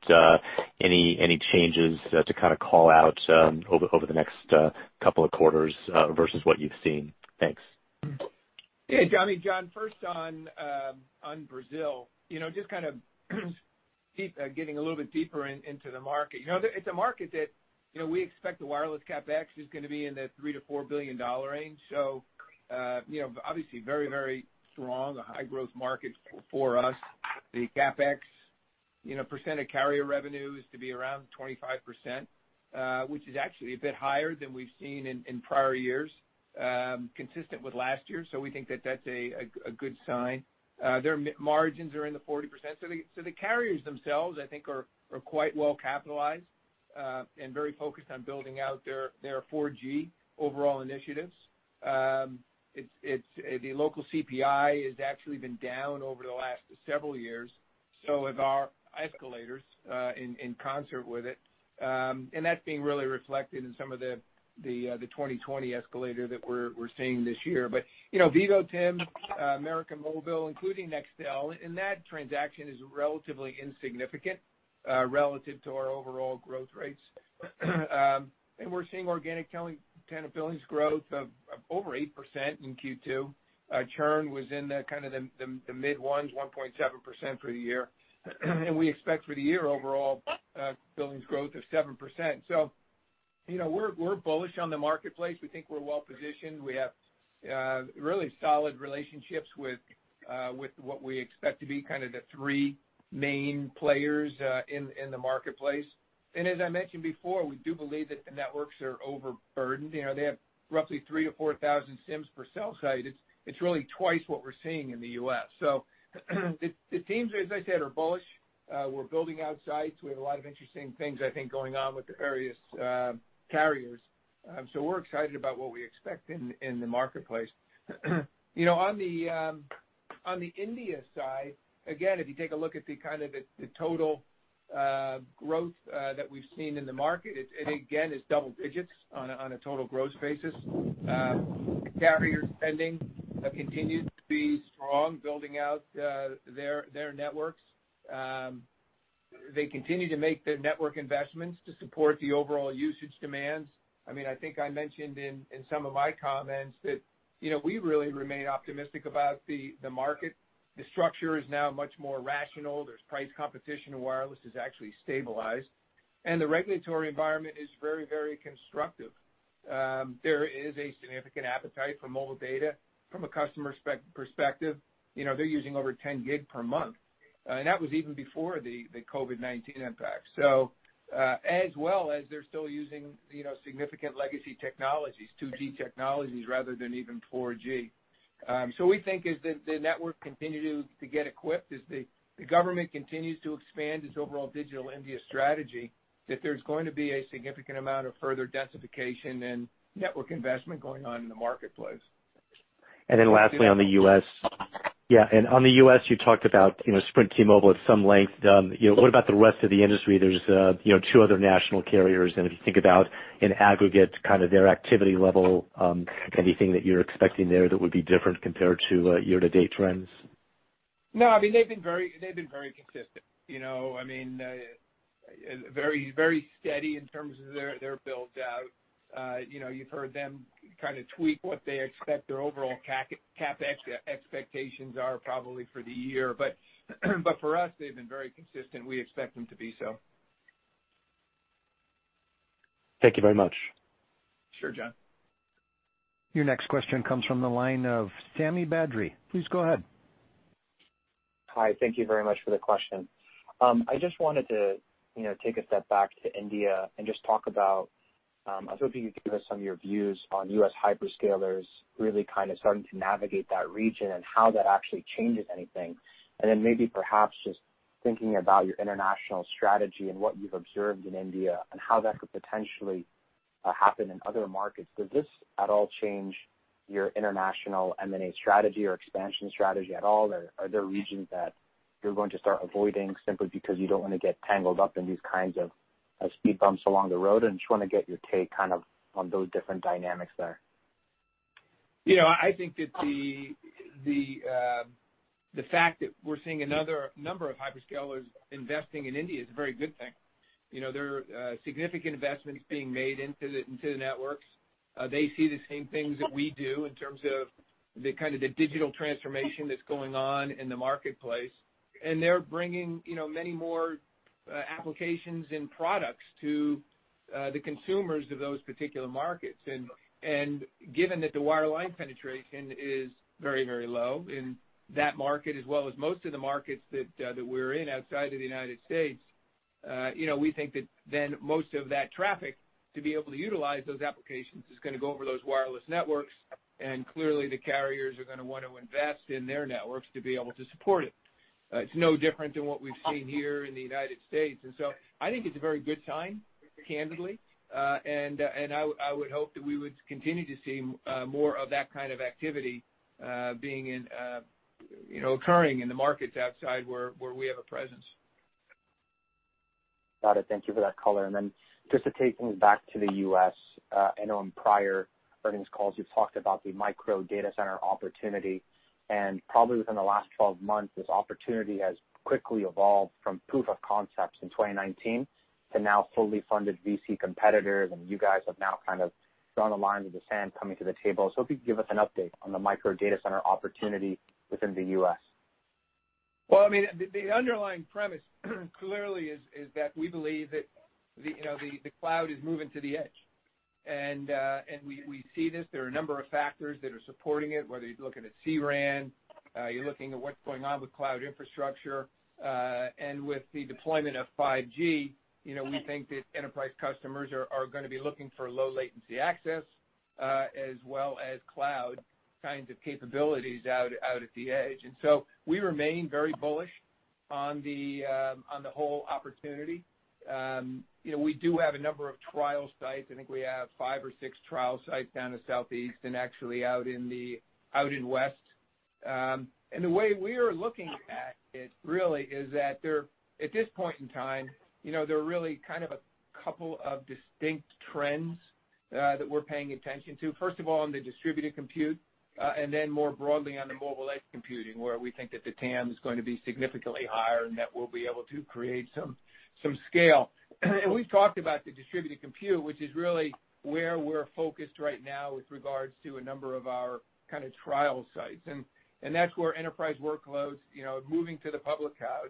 Speaker 7: any changes to kind of call out over the next couple of quarters versus what you've seen? Thanks.
Speaker 3: Johnny. John, first on Brazil. Just kind of getting a little bit deeper into the market. It's a market that we expect the wireless CapEx is going to be in the $3 billion-$4 billion range, so obviously very strong, a high growth market for us. The CapEx percent of carrier revenue is to be around 25%, which is actually a bit higher than we've seen in prior years, consistent with last year so we think that that's a good sign. Their margins are in the 40%. The carriers themselves, I think, are quite well capitalized and very focused on building out their 4G overall initiatives. The local CPI has actually been down over the last several years, so have our escalators in concert with it and that's being really reflected in some of the 2020 escalator that we're seeing this year. Vivo, TIM, América Móvil, including Nextel, and that transaction is relatively insignificant relative to our overall growth rates. We're seeing organic tenant billings growth of over 8% in Q2. Churn was in the kind of the mid ones, 1.7% for the year. We expect for the year overall billings growth of 7%. We're bullish on the marketplace. We think we're well-positioned. We have really solid relationships with what we expect to be kind of the three main players in the marketplace. And then as I mentioned before, we do believe that the networks are overburdened. They have roughly 3,000-4,000 SIMs per cell site. It's really twice what we're seeing in the U.S. The teams, as I said, are bullish. We're building out sites. We have a lot of interesting things, I think, going on with the various carriers and so we're excited about what we expect in the marketplace. On the India side, again, if you take a look at the total growth that we've seen in the market, it again is double digits on a total growth basis. The carrier spending have continued to be strong, building out their networks. They continue to make the network investments to support the overall usage demands. I think I mentioned in some of my comments that we really remain optimistic about the market. The structure is now much more rational. There's price competition, and wireless has actually stabilized and the regulatory environment is very constructive. There is a significant appetite for mobile data from a customer perspective. They're using over 10 G per month. That was even before the COVID-19 impact. As well as they're still using significant legacy technologies, 2G technologies, rather than even 4G. We think as the network continue to get equipped, as the government continues to expand its overall Digital India strategy, that there's going to be a significant amount of further densification and network investment going on in the marketplace.
Speaker 7: Lastly, on the U.S. Yeah. On the U.S., you talked about Sprint T-Mobile at some length. What about the rest of the industry? There's two other national carriers, and if you think about, in aggregate, their activity level, anything that you're expecting there that would be different compared to year-to-date trends?
Speaker 3: They've been very consistent. Very steady in terms of their build-out. You've heard them tweak what they expect their overall CapEx expectations are probably for the year but for us, they've been very consistent. We expect them to be so.
Speaker 7: Thank you very much.
Speaker 3: Sure, John.
Speaker 1: Your next question comes from the line of Sami Badri. Please go ahead.
Speaker 8: Hi. Thank you very much for the question. I just wanted to take a step back to India. I was hoping you could give us some of your views on U.S. hyperscalers really starting to navigate that region, and how that actually changes anything. And then maybe perhaps just thinking about your international strategy and what you've observed in India, and how that could potentially happen in other markets. Does this at all change your international M&A strategy or expansion strategy at all? Are there regions that you're going to start avoiding simply because you don't want to get tangled up in these kinds of speed bumps along the road? I just want to get your take on those different dynamics there.
Speaker 3: I think that the fact that we're seeing a number of hyperscalers investing in India is a very good thing. There are significant investments being made into the networks. They see the same things that we do in terms of the digital transformation that's going on in the marketplace and they're bringing many more applications and products to the consumers of those particular markets. Given that the wireline penetration is very low in that market, as well as most of the markets that we're in outside of the United States, we think that then most of that traffic to be able to utilize those applications is going to go over those wireless networks, and clearly the carriers are going to want to invest in their networks to be able to support it. It's no different than what we've seen here in the United States. I think it's a very good sign, candidly and I would hope that we would continue to see more of that kind of activity occurring in the markets outside where we have a presence.
Speaker 8: Got it. Thank you for that color. And then just to take things back to the U.S., I know on prior earnings calls, you've talked about the micro data center opportunity, probably within the last 12 months, this opportunity has quickly evolved from proof of concepts in 2019 to now fully funded VC competitors, you guys have now drawn a line in the sand coming to the table. If you could give us an update on the micro data center opportunity within the U.S.
Speaker 3: Well, the underlying premise clearly is that we believe that the cloud is moving to the edge and we see this. There are a number of factors that are supporting it, whether you're looking at C-RAN, you're looking at what's going on with cloud infrastructure. With the deployment of 5G, we think that enterprise customers are going to be looking for low latency access, as well as cloud kinds of capabilities out at the edge. We remain very bullish on the whole opportunity. We do have a number of trial sites. I think we have five or six trial sites down in the Southeast and actually out in west. The way we are looking at it really is that at this point in time, there are really a couple of distinct trends that we're paying attention to. First of all, on the distributed compute, and then more broadly on the mobile edge computing, where we think that the TAM is going to be significantly higher, we'll be able to create some scale. And we've talked about the distributed compute, which is really where we're focused right now with regards to a number of our trial sites and that's where enterprise workloads, moving to the public cloud,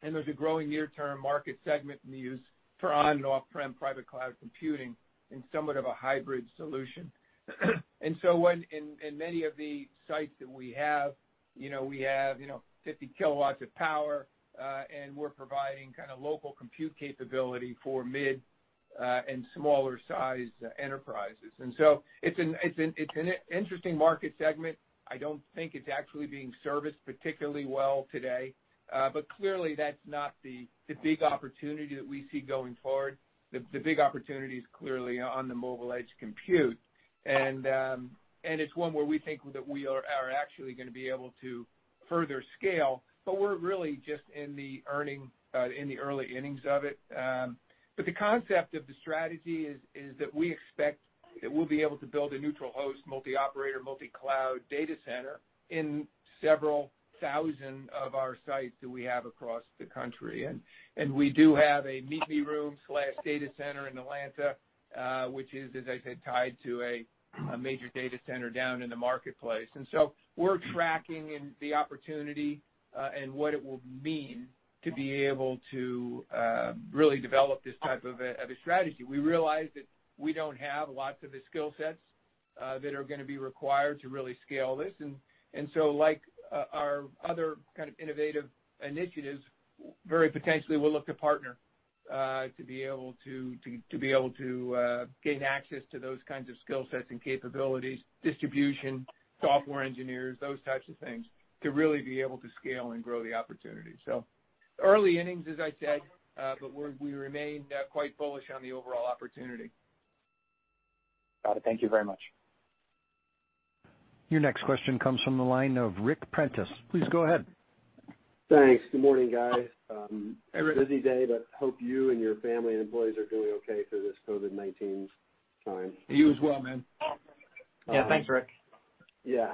Speaker 3: there's a growing near-term market segment in the use for on and off-prem private cloud computing in somewhat of a hybrid solution. In many of the sites that we have, we have 50 kW of power, we're providing local compute capability for mid- and smaller size enterprises. It's an interesting market segment. I don't think it's actually being serviced particularly well today but clearly that's not the big opportunity that we see going forward. The big opportunity is clearly on the mobile edge compute and it's one where we think that we are actually going to be able to further scale, but we're really just in the early innings of it. The concept of the strategy is that we expect that we'll be able to build a neutral host, multi-operator, multi-cloud data center in several thousand of our sites that we have across the country. We do have a meet me room/data center in Atlanta, which is, as I said, tied to a major data center down in the marketplace. We're tracking the opportunity, and what it will mean to be able to really develop this type of a strategy. We realize that we don't have lots of the skill sets that are going to be required to really scale this. And so like our other kind of innovative initiatives, very potentially we'll look to partner, to be able to gain access to those kinds of skill sets and capabilities, distribution, software engineers, those types of things, to really be able to scale and grow the opportunity. Early innings, as I said, but we remain quite bullish on the overall opportunity.
Speaker 8: Got it. Thank you very much.
Speaker 1: Your next question comes from the line of Ric Prentiss. Please go ahead.
Speaker 9: Thanks. Good morning, guys.
Speaker 3: Hey, Ric.
Speaker 9: Busy day. Hope you and your family and employees are doing okay through this COVID-19 time.
Speaker 3: You as well, man.
Speaker 4: Yeah. Thanks, Ric.
Speaker 9: Yeah.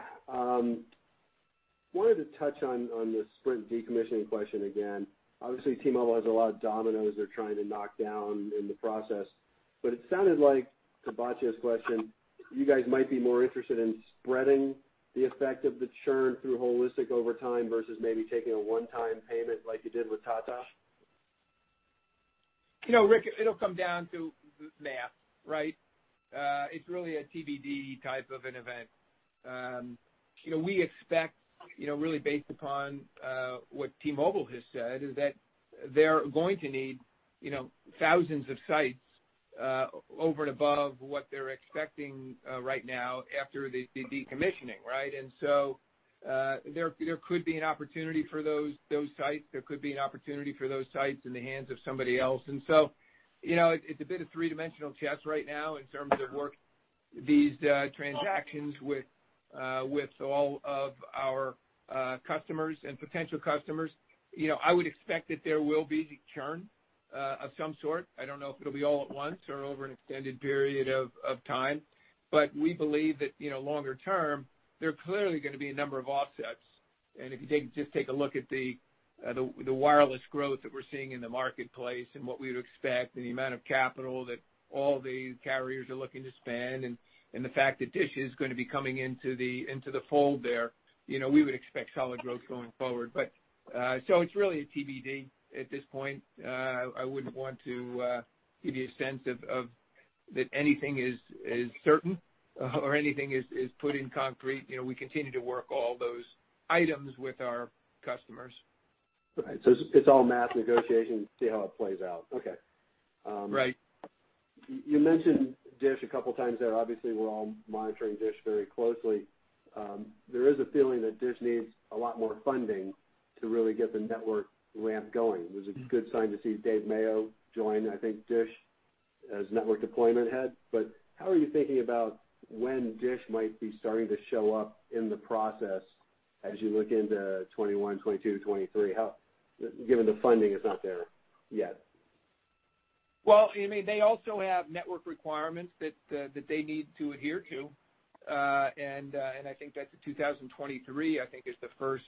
Speaker 9: Wanted to touch on the Sprint decommissioning question again. Obviously T-Mobile has a lot of dominoes they're trying to knock down in the process, but it sounded like to Batya's question, you guys might be more interested in spreading the effect of the churn through holistic over time versus maybe taking a one-time payment like you did with Tata.
Speaker 3: Ric, it'll come down to math, right? It's really a TBD type of an event. We expect, really based upon what T-Mobile has said, is that they're going to need thousands of sites over and above what they're expecting right now after the decommissioning, right? There could be an opportunity for those sites in the hands of somebody else and so it's a bit of three-dimensional chess right now in terms of working these transactions with all of our customers and potential customers. I would expect that there will be churn of some sort. I don't know if it'll be all at once or over an extended period of time, but we believe that longer term, there are clearly going to be a number of offsets. If you just take a look at the wireless growth that we're seeing in the marketplace and what we would expect and the amount of capital that all the carriers are looking to spend and the fact that DISH is going to be coming into the fold there, we would expect solid growth going forward. It's really a TBD at this point. I wouldn't want to give you a sense that anything is certain or anything is put in concrete. We continue to work all those items with our customers.
Speaker 9: Okay, it's all math negotiations. See how it plays out. Okay.
Speaker 3: Right.
Speaker 9: You mentioned DISH a couple times there. Obviously, we're all monitoring DISH very closely. There is a feeling that DISH needs a lot more funding to really get the network ramp going. It was a good sign to see Dave Mayo join, I think, DISH as network deployment head. How are you thinking about when DISH might be starting to show up in the process as you look into 2021, 2022, 2023? Given the funding is not there yet.
Speaker 3: Well, they also have network requirements that they need to adhere to. I think that the 2023, I think, is the first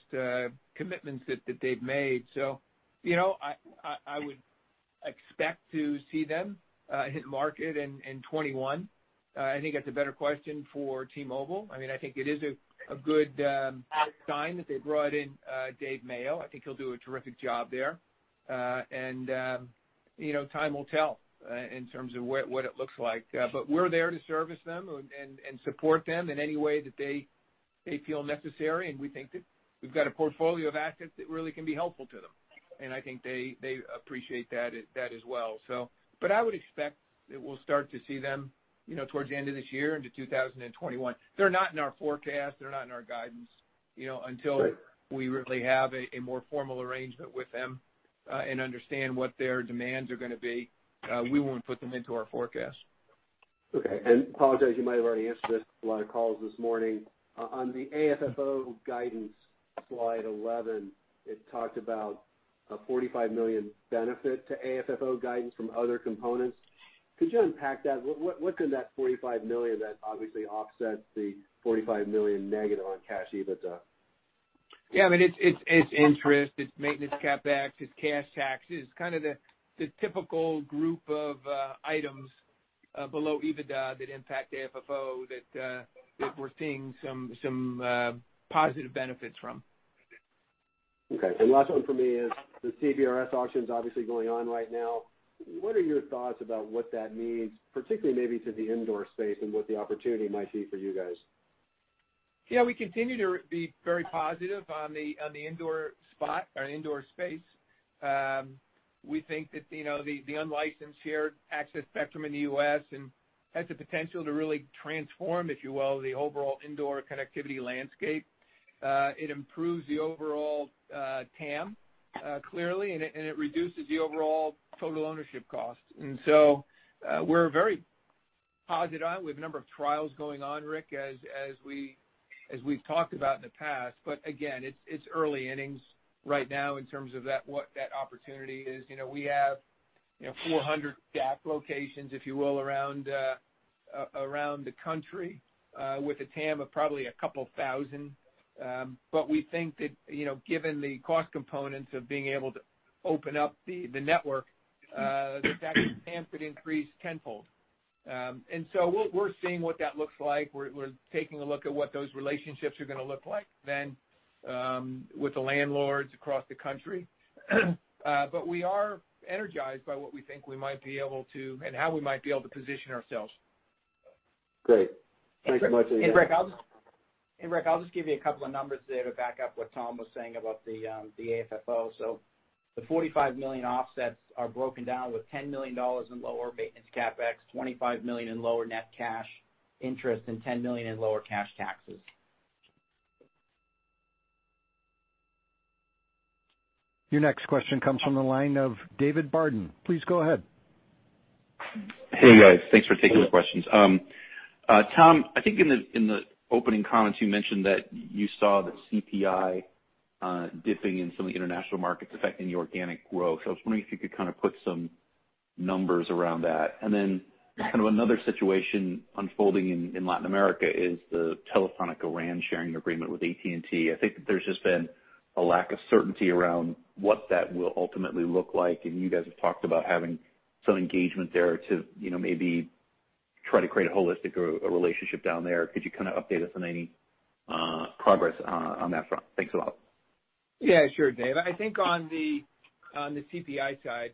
Speaker 3: commitments that they've made. I would expect to see them hit market in 2021. I think that's a better question for T-Mobile. I think it is a good sign that they brought in Dave Mayo. I think he'll do a terrific job there. Time will tell in terms of what it looks like. We're there to service them and support them in any way that they feel necessary, and we think that we've got a portfolio of assets that really can be helpful to them and I think they appreciate that as well. I would expect that we'll start to see them towards the end of this year into 2021. They're not in our forecast, they're not in our guidance-
Speaker 9: Right.
Speaker 3: ...until we really have a more formal arrangement with them, and understand what their demands are going to be, we won't put them into our forecast.
Speaker 9: Apologize, you might have already answered this. A lot of calls this morning. On the AFFO guidance, slide 11, it talked about a $45 million benefit to AFFO guidance from other components. Could you unpack that? What's in that $45 million that obviously offsets the $-45 million on cash EBITDA?
Speaker 3: Yeah. It's interest, it's maintenance CapEx, it's cash taxes. Kind of the typical group of items below EBITDA that impact AFFO that we're seeing some positive benefits from.
Speaker 9: Okay. Last one from me is, the CBRS auction's obviously going on right now. What are your thoughts about what that means, particularly maybe to the indoor space and what the opportunity might be for you guys?
Speaker 3: Yeah, we continue to be very positive on the indoor spot or indoor space. We think that the unlicensed shared access spectrum in the U.S. has the potential to really transform, if you will, the overall indoor connectivity landscape. It improves the overall TAM, clearly, and it reduces the overall total ownership cost and so we're very positive on it. We have a number of trials going on, Ric, as we've talked about in the past. Again, it's early innings right now in terms of what that opportunity is. We have 400 DAS locations, if you will, around the country, with a TAM of probably a couple 1,000. We think that given the cost components of being able to open up the network, that TAM could increase 10-fold. We're seeing what that looks like. We're taking a look at what those relationships are going to look like then with the landlords across the country. We are energized by what we think we might be able to, and how we might be able to position ourselves.
Speaker 9: Great. Thanks much, again.
Speaker 4: Ric, I'll just give you a couple of numbers there to back up what Tom was saying about the AFFO. The $45 million offsets are broken down with $10 million in lower maintenance CapEx, $25 million in lower net cash interest, and $10 million in lower cash taxes.
Speaker 1: Your next question comes from the line of David Barden. Please go ahead.
Speaker 10: Hey, guys. Thanks for taking the questions. Tom, I think in the opening comments, you mentioned that you saw the CPI dipping in some of the international markets affecting the organic growth. I was wondering if you could kind of put some numbers around that. And then kind of another situation unfolding in Latin America is the Telefónica RAN sharing agreement with AT&T. I think that there's just been a lack of certainty around what that will ultimately look like, and you guys have talked about having some engagement there to maybe try to create a holistic relationship down there. Could you kind of update us on any progress on that front? Thanks a lot.
Speaker 3: Sure, Dave. I think on the CPI side,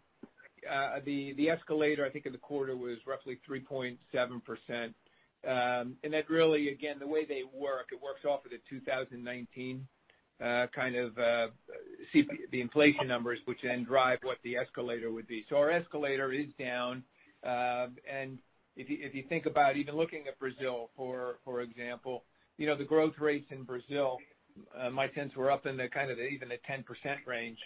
Speaker 3: the escalator I think in the quarter was roughly 3.7%. That really, again, the way they work, it works off of the 2019 inflation numbers, which then drive what the escalator would be. Our escalator is down. If you think about even looking at Brazil, for example, the growth rates in Brazil, my sense, were up in even the 10% range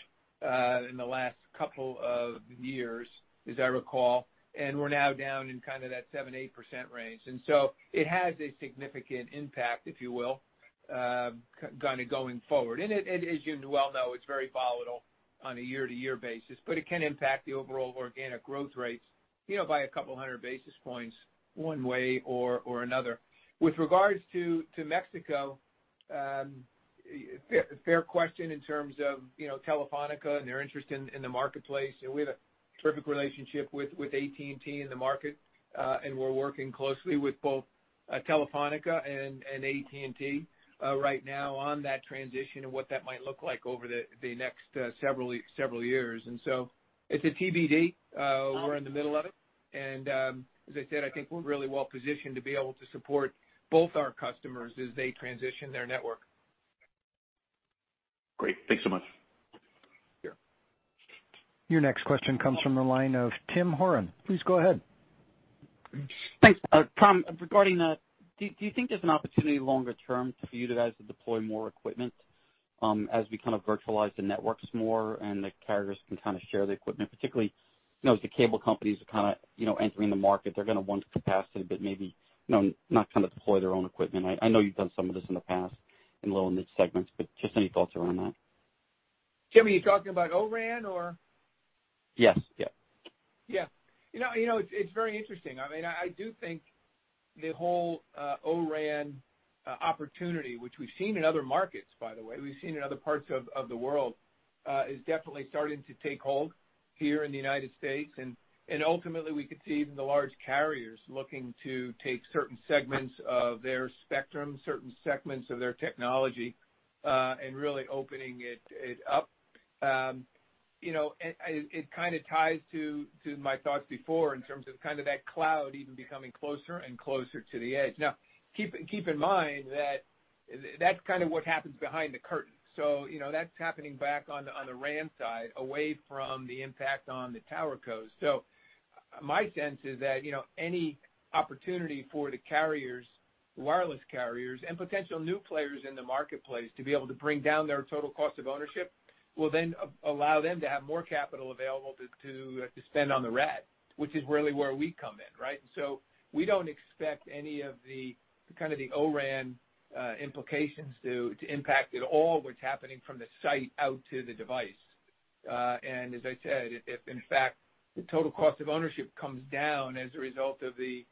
Speaker 3: in the last couple of years, as I recall, and we're now down in that 7%-8% range. It has a significant impact, if you will, going forward. As you well know, it's very volatile on a year-to-year basis, but it can impact the overall organic growth rates by a couple of 100 basis points one way or another. With regards to Mexico, fair question in terms of Telefónica and their interest in the marketplace. We have a terrific relationship with AT&T in the market. We're working closely with both Telefónica and AT&T right now on that transition and what that might look like over the next several years. It's a TBD. We're in the middle of it. As I said, I think we're really well-positioned to be able to support both our customers as they transition their network.
Speaker 10: Great. Thanks so much.
Speaker 3: Sure.
Speaker 1: Your next question comes from the line of Tim Horan. Please go ahead.
Speaker 11: Thanks. Tom, do you think there's an opportunity longer term for you guys to deploy more equipment as we kind of virtualize the networks more and the carriers can kind of share the equipment? Particularly, as the cable companies are entering the market, they're going to want the capacity, but maybe not deploy their own equipment. Just any thoughts around that?
Speaker 3: Tim, are you talking about O-RAN or?
Speaker 11: Yes.
Speaker 3: Yeah. It's very interesting. I do think the whole O-RAN opportunity, which we've seen in other markets, by the way, we've seen in other parts of the world, is definitely starting to take hold here in the United States. Ultimately, we could see even the large carriers looking to take certain segments of their spectrum, certain segments of their technology, and really opening it up. It kind of ties to my thoughts before in terms of that cloud even becoming closer and closer to the edge. Now, keep in mind that's kind of what happens behind the curtain. That's happening back on the RAN side, away from the impact on the tower cost. My sense is that any opportunity for the wireless carriers and potential new players in the marketplace to be able to bring down their total cost of ownership will then allow them to have more capital available to spend on the RAN, which is really where we come in, right? We don't expect any of the O-RAN implications to impact at all what's happening from the site out to the device. As I said, if in fact, the total cost of ownership comes down as a result of the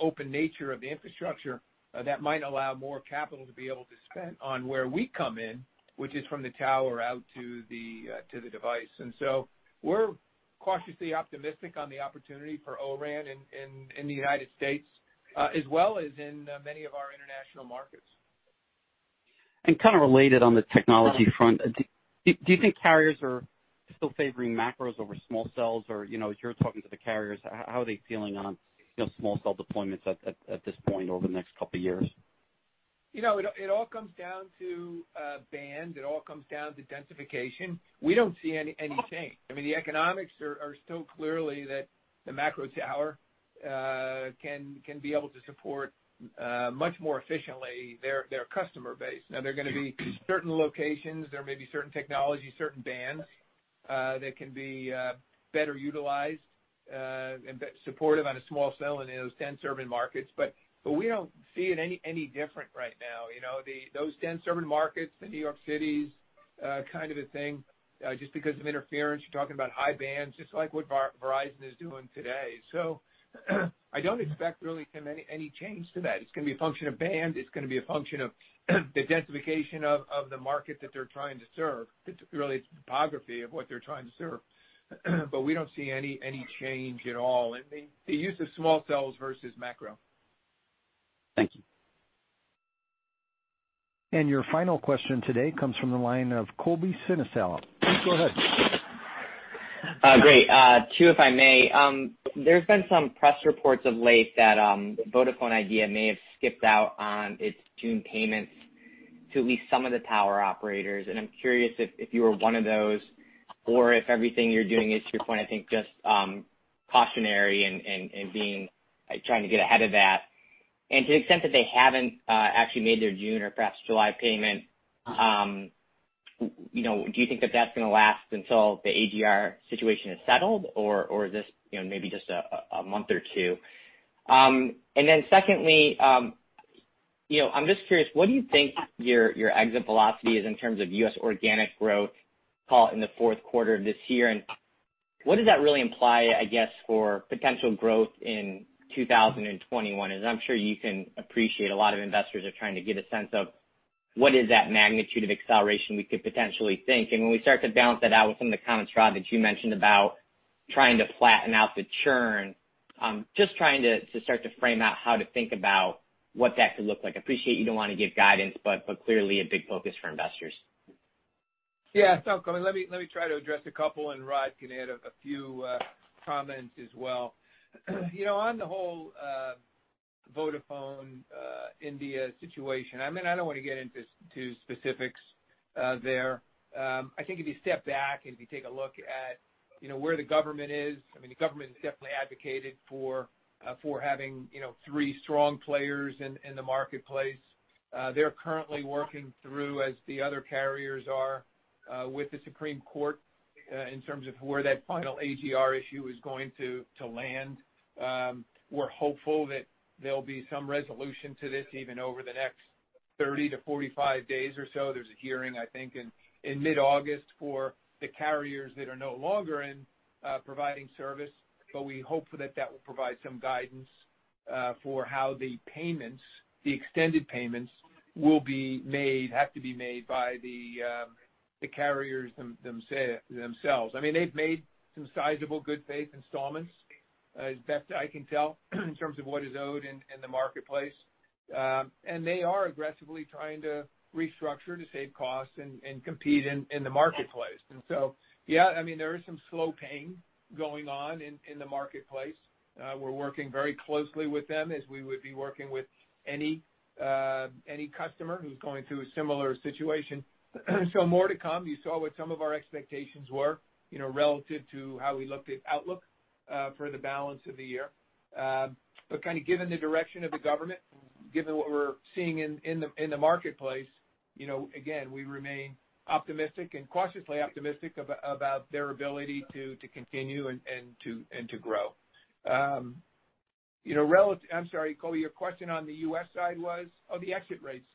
Speaker 3: open nature of the infrastructure, that might allow more capital to be able to spend on where we come in, which is from the tower out to the device. We're cautiously optimistic on the opportunity for O-RAN in the United States, as well as in many of our international markets.
Speaker 11: Kind of related on the technology front, do you think carriers are still favoring macros over small cells? As you're talking to the carriers, how are they feeling on small cell deployments at this point over the next couple of years?
Speaker 3: It all comes down to band. It all comes down to densification. We don't see any change. I mean, the economics are still clearly that the macro tower can be able to support much more efficiently their customer base. Now there are going to be certain locations, there may be certain technologies, certain bands that can be better utilized and supportive on a small cell in those dense urban markets but Wwe don't see it any different right now. Those dense urban markets, the New York Cities kind of a thing, just because of interference. You're talking about high bands, just like what Verizon is doing today. I don't expect really any change to that. It's going to be a function of band. It's going to be a function of the densification of the market that they're trying to serve. Really, it's topography of what they're trying to serve. We don't see any change at all in the use of small cells versus macro.
Speaker 11: Thank you.
Speaker 1: Your final question today comes from the line of Colby Synesael. Please go ahead.
Speaker 12: Great. Two, if I may. There's been some press reports of late that Vodafone Idea may have skipped out on its June payments to at least some of the tower operators. I'm curious if you are one of those or if everything you're doing is, to your point, I think, just cautionary and trying to get ahead of that. To the extent that they haven't actually made their June or perhaps July payment, do you think that that's going to last until the AGR situation is settled? Is this maybe just a month or two? Secondly, I'm just curious, what do you think your exit velocity is in terms of U.S. organic growth call it in the fourth quarter of this year? What does that really imply, I guess, for potential growth in 2021? As I'm sure you can appreciate, a lot of investors are trying to get a sense of what is that magnitude of acceleration we could potentially think? When we start to balance that out with some of the comments, Rod, that you mentioned about trying to flatten out the churn, just trying to start to frame out how to think about what that could look like. Appreciate you don't want to give guidance, clearly a big focus for investors.
Speaker 3: Yeah. Colby, let me try to address a couple and Rod can add a few comments as well. On the whole Vodafone India situation, I don't want to get into specifics there. I think if you step back and if you take a look at where the government is, the government has definitely advocated for having three strong players in the marketplace. They're currently working through, as the other carriers are, with the Supreme Court in terms of where that final AGR issue is going to land. We're hopeful that there'll be some resolution to this even over the next 30-45 days or so. There's a hearing, I think, in mid-August for the carriers that are no longer providing service. We hope that that will provide some guidance for how the extended payments will have to be made by the carriers themselves. They've made some sizable good faith installments, as best I can tell, in terms of what is owed in the marketplace. They are aggressively trying to restructure to save costs and compete in the marketplace. Yeah, there is some slow paying going on in the marketplace. We're working very closely with them as we would be working with any customer who's going through a similar situation. More to come. You saw what some of our expectations were, relative to how we looked at outlook for the balance of the year. Kind of given the direction of the government, given what we're seeing in the marketplace, again, we remain optimistic and cautiously optimistic about their ability to continue and to grow. I'm sorry, Colby, your question on the U.S. side was? Oh, the exit rates.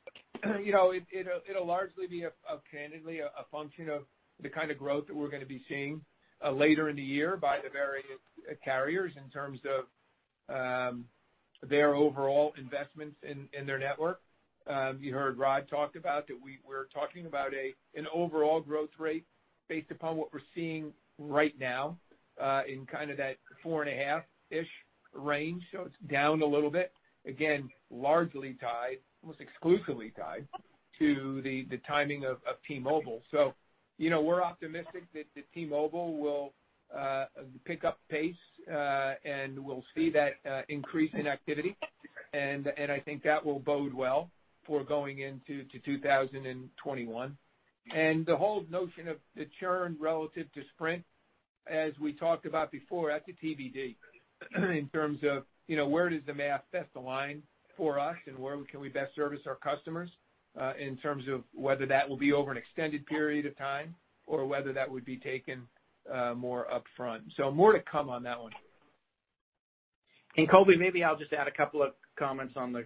Speaker 3: It'll largely be, candidly, a function of the kind of growth that we're going to be seeing later in the year by the various carriers in terms of their overall investments in their network. You heard Rod talked about that we're talking about an overall growth rate based upon what we're seeing right now in kind of that 4.5%-ish range. It's down a little bit. Again, largely tied, almost exclusively tied, to the timing of T-Mobile. We're optimistic that T-Mobile will pick up pace, and we'll see that increase in activity. I think that will bode well for going into 2021. The whole notion of the churn relative to Sprint, as we talked about before, that's a TBD in terms of where does the math best align for us and where can we best service our customers in terms of whether that will be over an extended period of time or whether that would be taken more upfront. More to come on that one.
Speaker 4: Colby, maybe I'll just add a couple of comments on the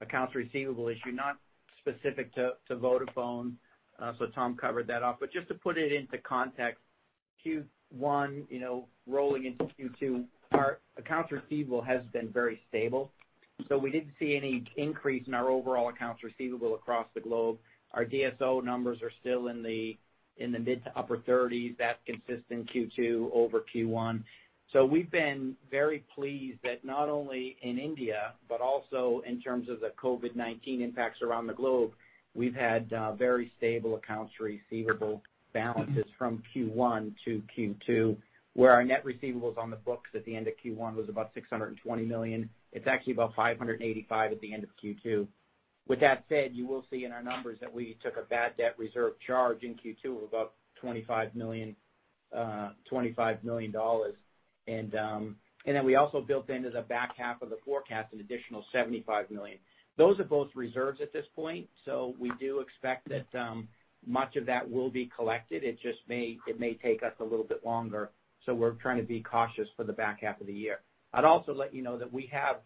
Speaker 4: accounts receivable issue, not specific to Vodafone, so Tom covered that off. Just to put it into context, Q1 rolling into Q2, our accounts receivable has been very stable. We didn't see any increase in our overall accounts receivable across the globe. Our DSO numbers are still in the mid to upper 30s. That's consistent Q2 over Q1. We've been very pleased that not only in India, but also in terms of the COVID-19 impacts around the globe, we've had very stable accounts receivable balances from Q1 to Q2, where our net receivables on the books at the end of Q1 was about $620 million. It's actually about $585 at the end of Q2. With that said, you will see in our numbers that we took a bad debt reserve charge in Q2 of about $25 million. We also built into the back half of the forecast an additional $75 million. Those are both reserves at this point, so we do expect that much of that will be collected. It may take us a little bit longer, so we're trying to be cautious for the back half of the year. I'd also let you know that we have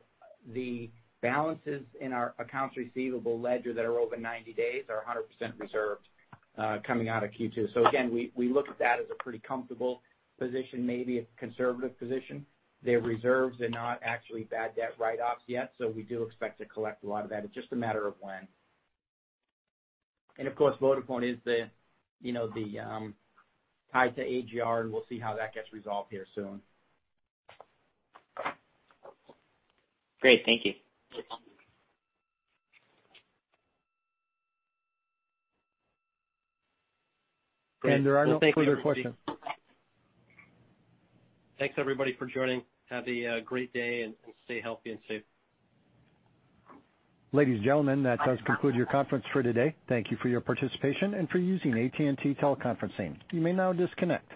Speaker 4: the balances in our accounts receivable ledger that are over 90 days are 100% reserved coming out of Q2. Again, we look at that as a pretty comfortable position, maybe a conservative position. They're reserves. They're not actually bad debt write-offs yet, so we do expect to collect a lot of that. It's just a matter of when. Of course, Vodafone is tied to AGR, and we'll see how that gets resolved here soon.
Speaker 12: Great. Thank you.
Speaker 3: Yeah.
Speaker 1: There are no further questions.
Speaker 3: Thanks, everybody, for joining. Have a great day, and stay healthy and safe.
Speaker 1: Ladies and gentlemen, that does conclude your conference for today. Thank you for your participation and for using AT&T teleconferencing. You may now disconnect.